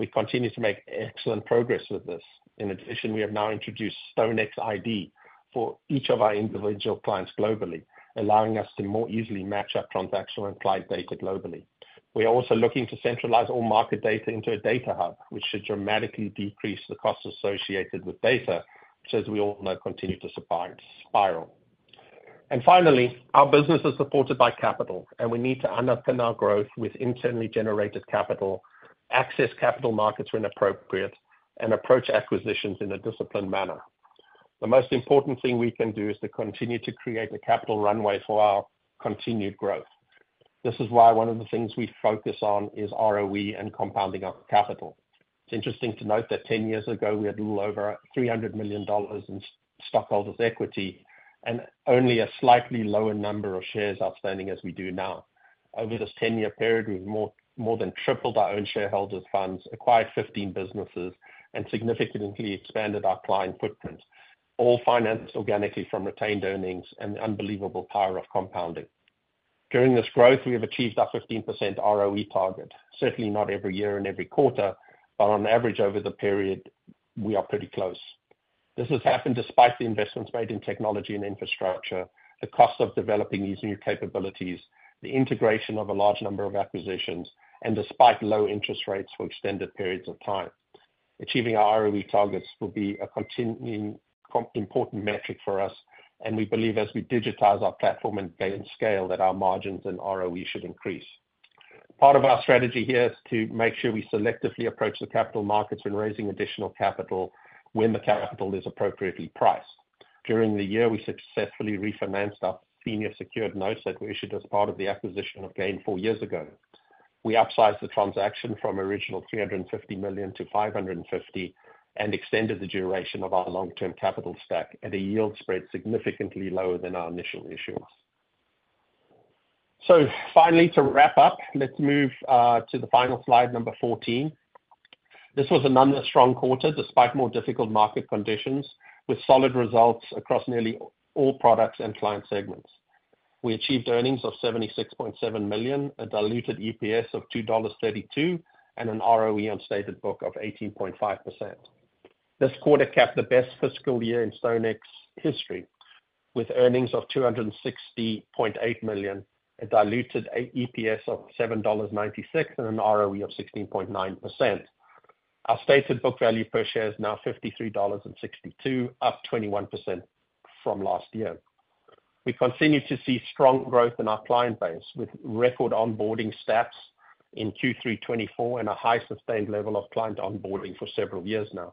We continue to make excellent progress with this. In addition, we have now introduced StoneX ID for each of our individual clients globally, allowing us to more easily match our transactional and client data globally. We are also looking to centralize all market data into a data hub, which should dramatically decrease the costs associated with data, which, as we all know, continue to spiral. Finally, our business is supported by capital, and we need to underpin our growth with internally generated capital, access capital markets when appropriate, and approach acquisitions in a disciplined manner. The most important thing we can do is to continue to create a capital runway for our continued growth. This is why one of the things we focus on is ROE and compounding our capital. It's interesting to note that 10 years ago, we had a little over $300 million in stockholders' equity and only a slightly lower number of shares outstanding as we do now. Over this 10-year period, we've more than tripled our own shareholders' funds, acquired 15 businesses, and significantly expanded our client footprint, all financed organically from retained earnings and the unbelievable power of compounding. During this growth, we have achieved our 15% ROE target. Certainly not every year and every quarter, but on average over the period, we are pretty close. This has happened despite the investments made in technology and infrastructure, the cost of developing these new capabilities, the integration of a large number of acquisitions, and despite low interest rates for extended periods of time. Achieving our ROE targets will be a continuing important metric for us, and we believe as we digitize our platform and scale that our margins and ROE should increase. Part of our strategy here is to make sure we selectively approach the capital markets when raising additional capital when the capital is appropriately priced. During the year, we successfully refinanced our senior secured notes that were issued as part of the acquisition of GAIN four years ago. We upsized the transaction from original $350 million to $550 million and extended the duration of our long-term capital stack at a yield spread significantly lower than our initial issuance. So finally, to wrap up, let's move to the final Slide, number 14. This was another strong quarter despite more difficult market conditions, with solid results across nearly all products and client segments. We achieved earnings of $76.7 million, a diluted EPS of $2.32, and an ROE on stated book of 18.5%. This quarter capped the best fiscal year in StoneX history, with earnings of $260.8 million, a diluted EPS of $7.96, and an ROE of 16.9%. Our stated book value per share is now $53.62, up 21% from last year. We continue to see strong growth in our client base, with record onboarding stats in Q3 2024 and a high sustained level of client onboarding for several years now.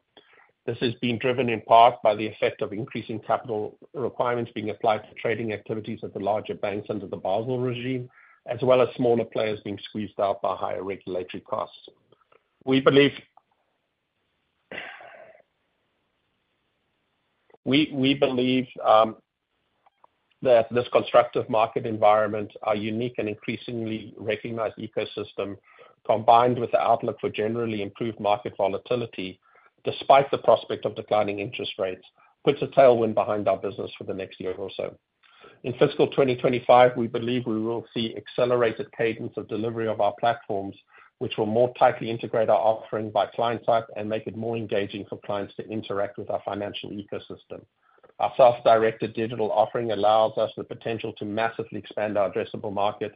This has been driven in part by the effect of increasing capital requirements being applied to trading activities at the larger banks under the Basel regime, as well as smaller players being squeezed out by higher regulatory costs. We believe that this constructive market environment, our unique and increasingly recognized ecosystem, combined with the outlook for generally improved market volatility, despite the prospect of declining interest rates, puts a tailwind behind our business for the next year or so. In fiscal 2025, we believe we will see accelerated cadence of delivery of our platforms, which will more tightly integrate our offering by client type and make it more engaging for clients to interact with our financial ecosystem. Our self-directed digital offering allows us the potential to massively expand our addressable market,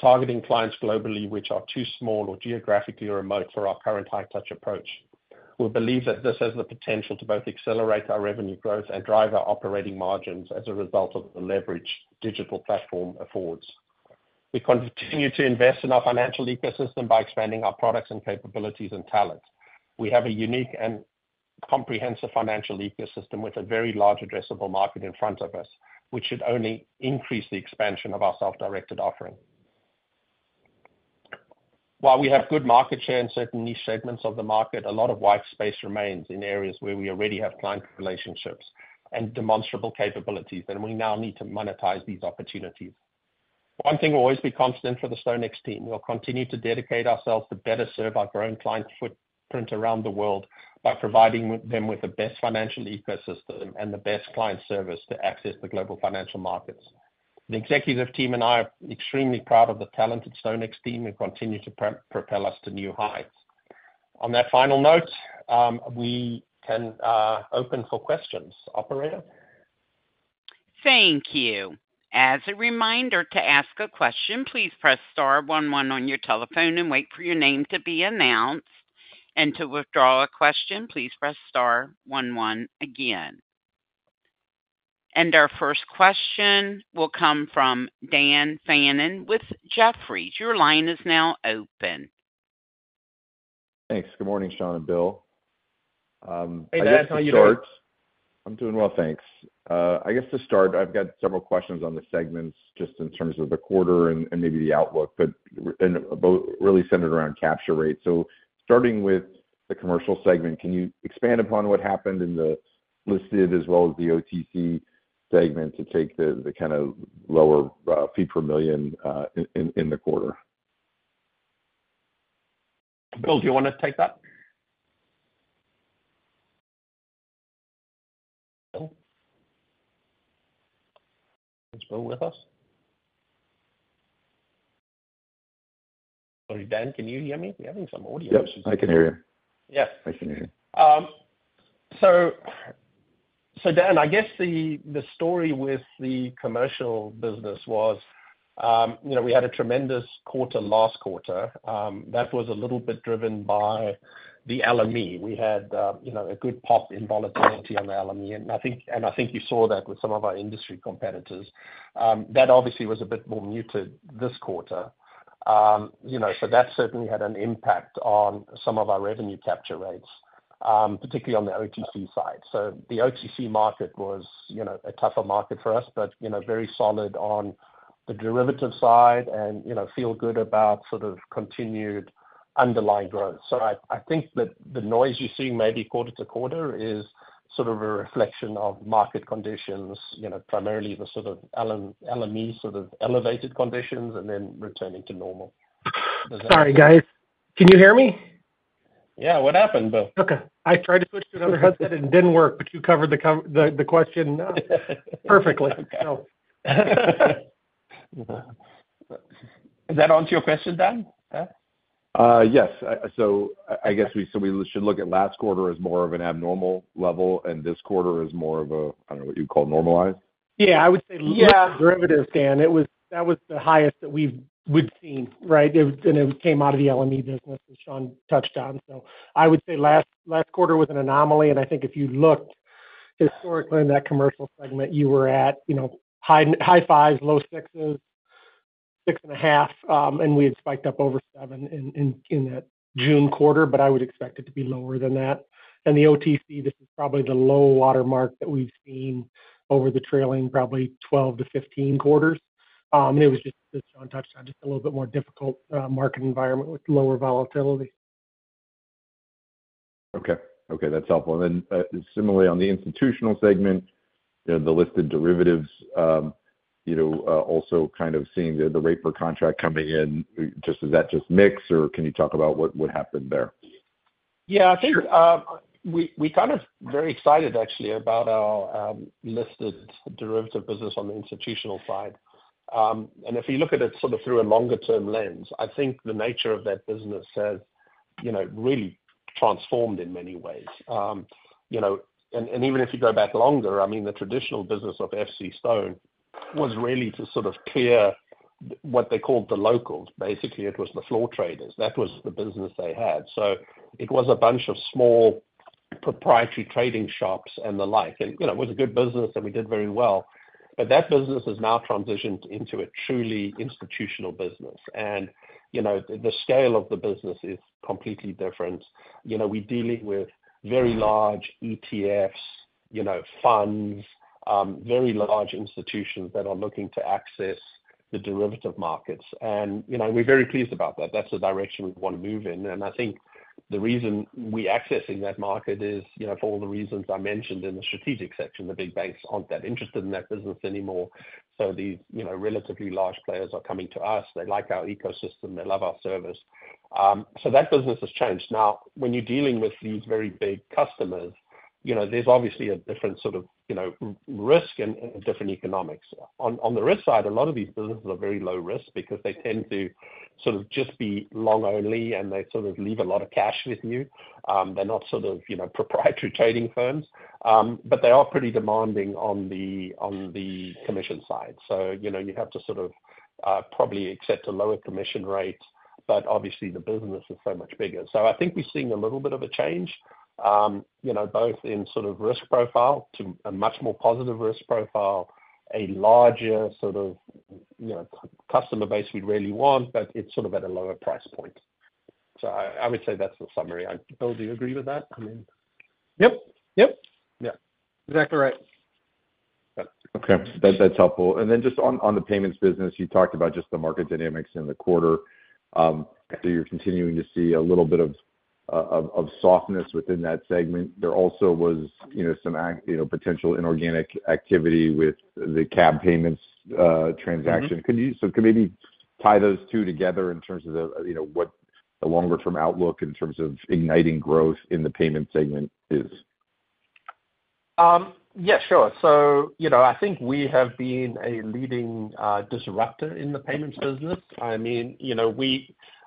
targeting clients globally, which are too small or geographically remote for our current high-touch approach. We believe that this has the potential to both accelerate our revenue growth and drive our operating margins as a result of the leverage digital platform affords. We continue to invest in our financial ecosystem by expanding our products and capabilities and talent. We have a unique and comprehensive financial ecosystem with a very large addressable market in front of us, which should only increase the expansion of our self-directed offering. While we have good market share in certain niche segments of the market, a lot of white space remains in areas where we already have client relationships and demonstrable capabilities, and we now need to monetize these opportunities. One thing we'll always be confident for the StoneX team. We'll continue to dedicate ourselves to better serve our growing client footprint around the world by providing them with the best financial ecosystem and the best client service to access the global financial markets. The executive team and I are extremely proud of the talented StoneX team and continue to propel us to new heights. On that final note, we can open for questions. Operator. Thank you. As a reminder to ask a question, please press star 11 on your telephone and wait for your name to be announced. And to withdraw a question, please press star 11 again. And our first question will come from Dan Fannon with Jefferies. Your line is now open. Thanks. Good morning, Sean and Bill. Hey, Dan. How are you doing? I'm doing well, thanks. I guess to start, I've got several questions on the segments just in terms of the quarter and maybe the outlook, but really centered around capture rate. So starting with the commercial segment, can you expand upon what happened in the listed as well as the OTC segment to take the kind of lower fee per million in the quarter? Bill, do you want to take that? Bill? Are you still with us? Sorry, Dan, can you hear me? We're having some audio issues. Yes, I can hear you. Yes. I can hear you. So Dan, I guess the story with the commercial business was we had a tremendous quarter last quarter. That was a little bit driven by the LME. We had a good pop in volatility on the LME, and I think you saw that with some of our industry competitors. That obviously was a bit more muted this quarter. So that certainly had an impact on some of our revenue capture rates, particularly on the OTC side. So the OTC market was a tougher market for us, but very solid on the derivative side and feel good about sort of continued underlying growth. So I think that the noise you're seeing maybe quarter to quarter is sort of a reflection of market conditions, primarily the sort of anomaly sort of elevated conditions and then returning to normal. Sorry, guys. Can you hear me? Yeah, what happened, Bill? Okay. I tried to switch to another headset and it didn't work, but you covered the question perfectly. Is that answer your question, Dan? Yes. So I guess we should look at last quarter as more of an abnormal level, and this quarter is more of a, I don't know what you'd call normalized. Yeah, I would say less derivatives, Dan. That was the highest that we would see, right? And it came out of the INTL business, as Sean touched on. So I would say last quarter was an anomaly, and I think if you looked historically in that commercial segment, you were at high fives, low sixes, six and a half, and we had spiked up over seven in that June quarter, but I would expect it to be lower than that. And the OTC, this is probably the low watermark that we've seen over the trailing probably 12-15 quarters. And it was just, as Sean touched on, just a little bit more difficult market environment with lower volatility. Okay. Okay. That's helpful, and then similarly on the institutional segment, the listed derivatives, also kind of seeing the rate per contract coming in, just is that just mixed, or can you talk about what happened there? Yeah, I think we're kind of very excited, actually, about our listed derivative business on the institutional side, and if you look at it sort of through a longer-term lens, I think the nature of that business has really transformed in many ways, and even if you go back longer, I mean, the traditional business of FCStone was really to sort of clear what they called the locals. Basically, it was the floor traders. That was the business they had, so it was a bunch of small proprietary trading shops and the like, and it was a good business, and we did very well. But that business has now transitioned into a truly institutional business, and the scale of the business is completely different. We're dealing with very large ETFs, funds, very large institutions that are looking to access the derivative markets. And we're very pleased about that. That's the direction we want to move in. And I think the reason we're accessing that market is for all the reasons I mentioned in the strategic section. The big banks aren't that interested in that business anymore. So these relatively large players are coming to us. They like our ecosystem. They love our service. So that business has changed. Now, when you're dealing with these very big customers, there's obviously a different sort of risk and different economics. On the risk side, a lot of these businesses are very low risk because they tend to sort of just be long-only, and they sort of leave a lot of cash with you. They're not sort of proprietary trading firms, but they are pretty demanding on the commission side. So you have to sort of probably accept a lower commission rate, but obviously, the business is so much bigger. So I think we're seeing a little bit of a change, both in sort of risk profile to a much more positive risk profile, a larger sort of customer base we'd really want, but it's sort of at a lower price point. So I would say that's the summary. Bill, do you agree with that? I mean, Yep. Yep. Yeah. Exactly right. Okay. That's helpful. Then just on the payments business, you talked about just the market dynamics in the quarter. So you're continuing to see a little bit of softness within that segment. There also was some potential inorganic activity with the CAB Payments transaction. So can we maybe tie those two together in terms of what the longer-term outlook in terms of igniting growth in the payment segment is? Yeah, sure. So I think we have been a leading disruptor in the payments business. I mean,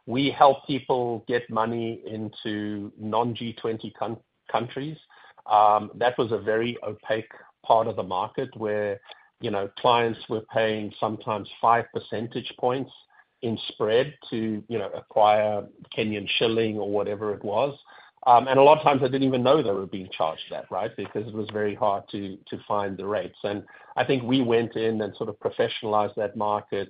we help people get money into non-G20 countries. That was a very opaque part of the market where clients were paying sometimes five percentage points in spread to acquire Kenyan shilling or whatever it was. And a lot of times, they didn't even know they were being charged that, right, because it was very hard to find the rates. And I think we went in and sort of professionalized that market,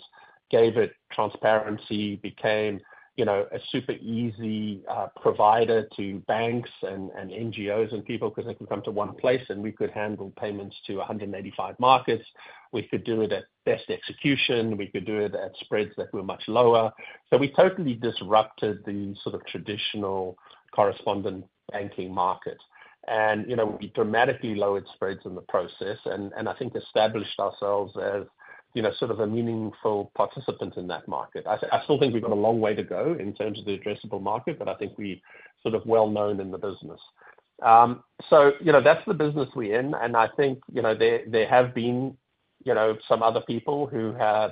gave it transparency, became a super easy provider to banks and NGOs and people because they could come to one place, and we could handle payments to 185 markets. We could do it at best execution. We could do it at spreads that were much lower. So we totally disrupted the sort of traditional correspondent banking market. And we dramatically lowered spreads in the process, and I think established ourselves as sort of a meaningful participant in that market. I still think we've got a long way to go in terms of the addressable market, but I think we're sort of well-known in the business. So that's the business we're in. And I think there have been some other people who have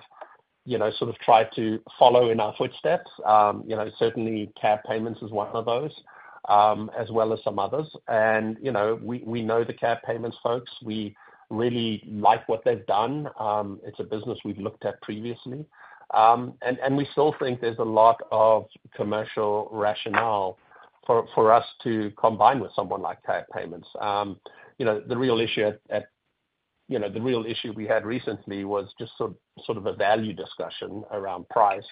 sort of tried to follow in our footsteps. Certainly, CAB Payments is one of those, as well as some others. And we know the CAB Payments folks. We really like what they've done. It's a business we've looked at previously. And we still think there's a lot of commercial rationale for us to combine with someone like CAB Payments. The real issue we had recently was just sort of a value discussion around price.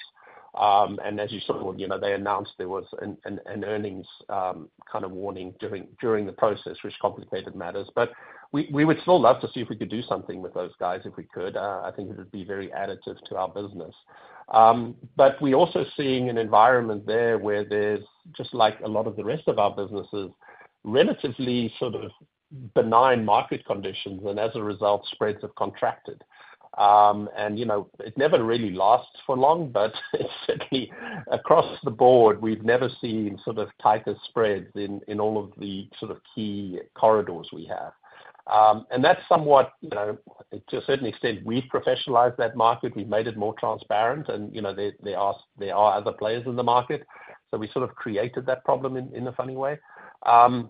And as you saw, they announced there was an earnings kind of warning during the process, which complicated matters. But we would still love to see if we could do something with those guys if we could. I think it would be very additive to our business. But we're also seeing an environment there where there's just like a lot of the rest of our businesses, relatively sort of benign market conditions, and as a result, spreads have contracted. It never really lasts for long, but certainly across the board, we've never seen sort of tighter spreads in all of the sort of key corridors we have. That's somewhat, to a certain extent, we've professionalized that market. We've made it more transparent, and there are other players in the market. We sort of created that problem in a funny way. Our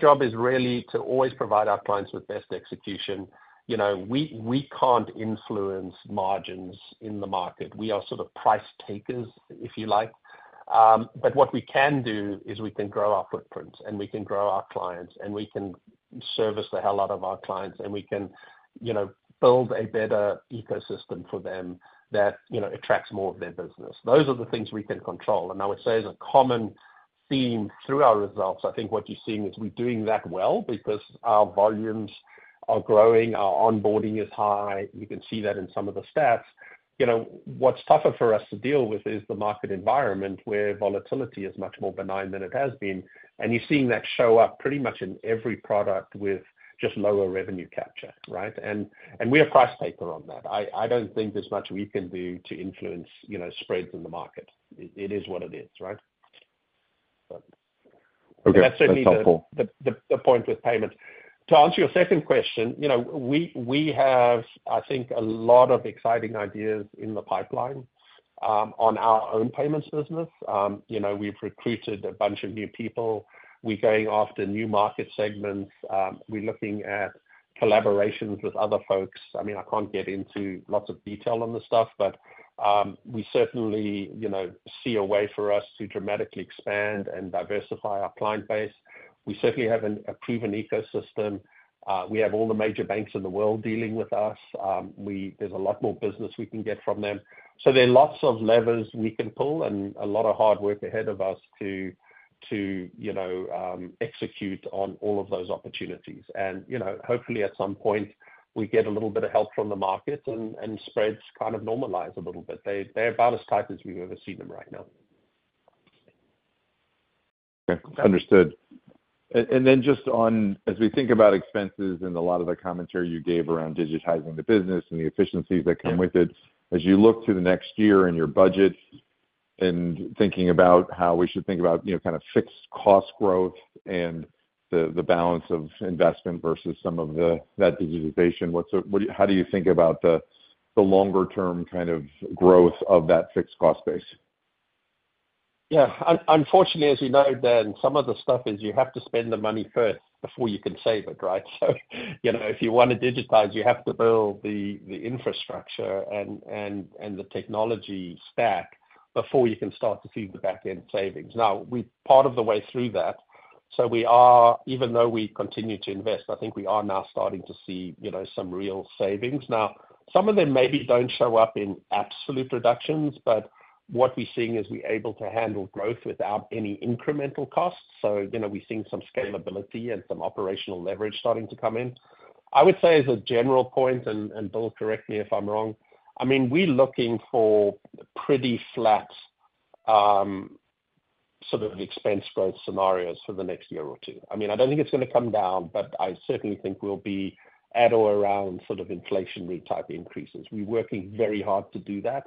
job is really to always provide our clients with best execution. We can't influence margins in the market. We are sort of price takers, if you like. What we can do is we can grow our footprints, and we can grow our clients, and we can service the hell out of our clients, and we can build a better ecosystem for them that attracts more of their business. Those are the things we can control. And I would say as a common theme through our results, I think what you're seeing is we're doing that well because our volumes are growing, our onboarding is high. You can see that in some of the stats. What's tougher for us to deal with is the market environment where volatility is much more benign than it has been. And you're seeing that show up pretty much in every product with just lower revenue capture, right? And we're a price taker on that. I don't think there's much we can do to influence spreads in the market. It is what it is, right? Okay. That's helpful. The point with payments. To answer your second question, we have, I think, a lot of exciting ideas in the pipeline on our own payments business. We've recruited a bunch of new people. We're going after new market segments. We're looking at collaborations with other folks. I mean, I can't get into lots of detail on the stuff, but we certainly see a way for us to dramatically expand and diversify our client base. We certainly have a proven ecosystem. We have all the major banks in the world dealing with us. There's a lot more business we can get from them, so there are lots of levers we can pull and a lot of hard work ahead of us to execute on all of those opportunities, and hopefully, at some point, we get a little bit of help from the markets and spreads kind of normalize a little bit. They're about as tight as we've ever seen them right now. Okay. Understood. And then just on, as we think about expenses and a lot of the commentary you gave around digitizing the business and the efficiencies that come with it, as you look to the next year in your budget and thinking about how we should think about kind of fixed cost growth and the balance of investment versus some of that digitization, how do you think about the longer-term kind of growth of that fixed cost base? Yeah. Unfortunately, as you know, Dan, some of the stuff is you have to spend the money first before you can save it, right? So if you want to digitize, you have to build the infrastructure and the technology stack before you can start to see the back-end savings. Now, we're part of the way through that. So even though we continue to invest, I think we are now starting to see some real savings. Now, some of them maybe don't show up in absolute reductions, but what we're seeing is we're able to handle growth without any incremental costs. So we're seeing some scalability and some operational leverage starting to come in. I would say as a general point, and Bill, correct me if I'm wrong, I mean, we're looking for pretty flat sort of expense growth scenarios for the next year or two. I mean, I don't think it's going to come down, but I certainly think we'll be at or around sort of inflationary type increases. We're working very hard to do that.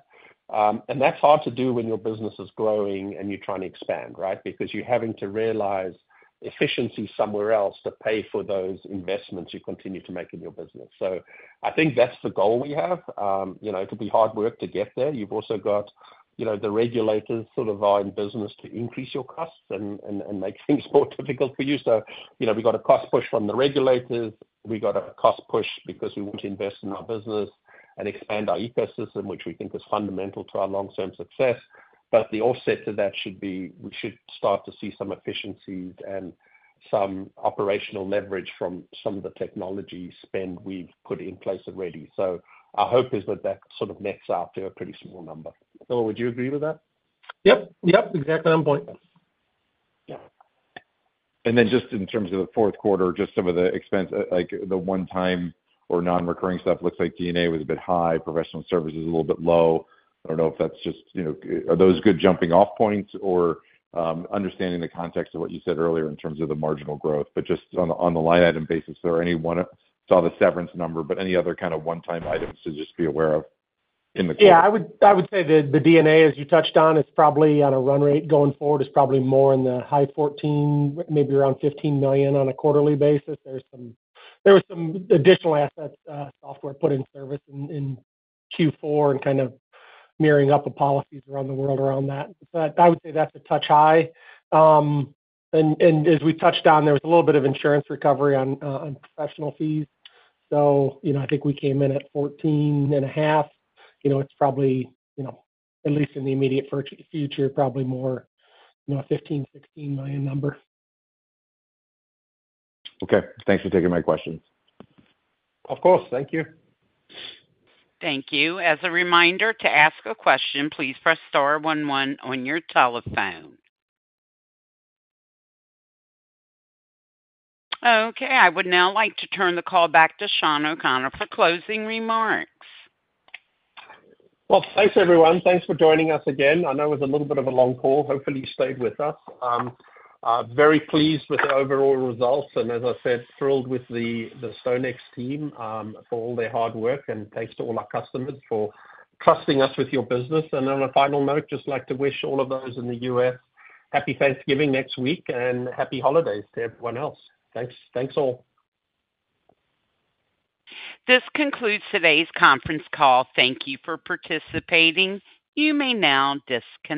And that's hard to do when your business is growing and you're trying to expand, right? Because you're having to realize efficiency somewhere else to pay for those investments you continue to make in your business. So I think that's the goal we have. It'll be hard work to get there. You've also got the regulators sort of are in business to increase your costs and make things more difficult for you. So we've got a cost push from the regulators. We've got a cost push because we want to invest in our business and expand our ecosystem, which we think is fundamental to our long-term success. But the offset to that should be we should start to see some efficiencies and some operational leverage from some of the technology spend we've put in place already. So our hope is that that sort of nets out to a pretty small number. Bill, would you agree with that? Yep. Yep. Exactly on point. Yeah. Then just in terms of the fourth quarter, just some of the expense, like the one-time or non-recurring stuff, looks like D&A was a bit high, professional services a little bit low. I don't know if that's just are those good jumping-off points or understanding the context of what you said earlier in terms of the marginal growth, but just on the line item basis, is there any one? I saw the severance number, but any other kind of one-time items to just be aware of in the quarter? Yeah. I would say the D&A, as you touched on, is probably on a run rate going forward, is probably more in the high 14, maybe around 15 million on a quarterly basis. There were some additional assets, software put in service in Q4 and kind of mirroring up the policies around the world around that. So I would say that's a touch high. And as we touched on, there was a little bit of insurance recovery on professional fees. So I think we came in at $14.5 million. It's probably, at least in the immediate future, probably more $15-16 million number. Okay. Thanks for taking my questions. Of course. Thank you. Thank you. As a reminder, to ask a question, please press star 11 on your telephone. Okay. I would now like to turn the call back to Sean O'Connor for closing remarks. Well, thanks, everyone. Thanks for joining us again. I know it was a little bit of a long call. Hopefully, you stayed with us. Very pleased with the overall results. And as I said, thrilled with the StoneX team for all their hard work. And thanks to all our customers for trusting us with your business. On a final note, just like to wish all of those in the U.S. happy Thanksgiving next week and happy holidays to everyone else. Thanks. Thanks all. This concludes today's conference call. Thank you for participating. You may now disconnect.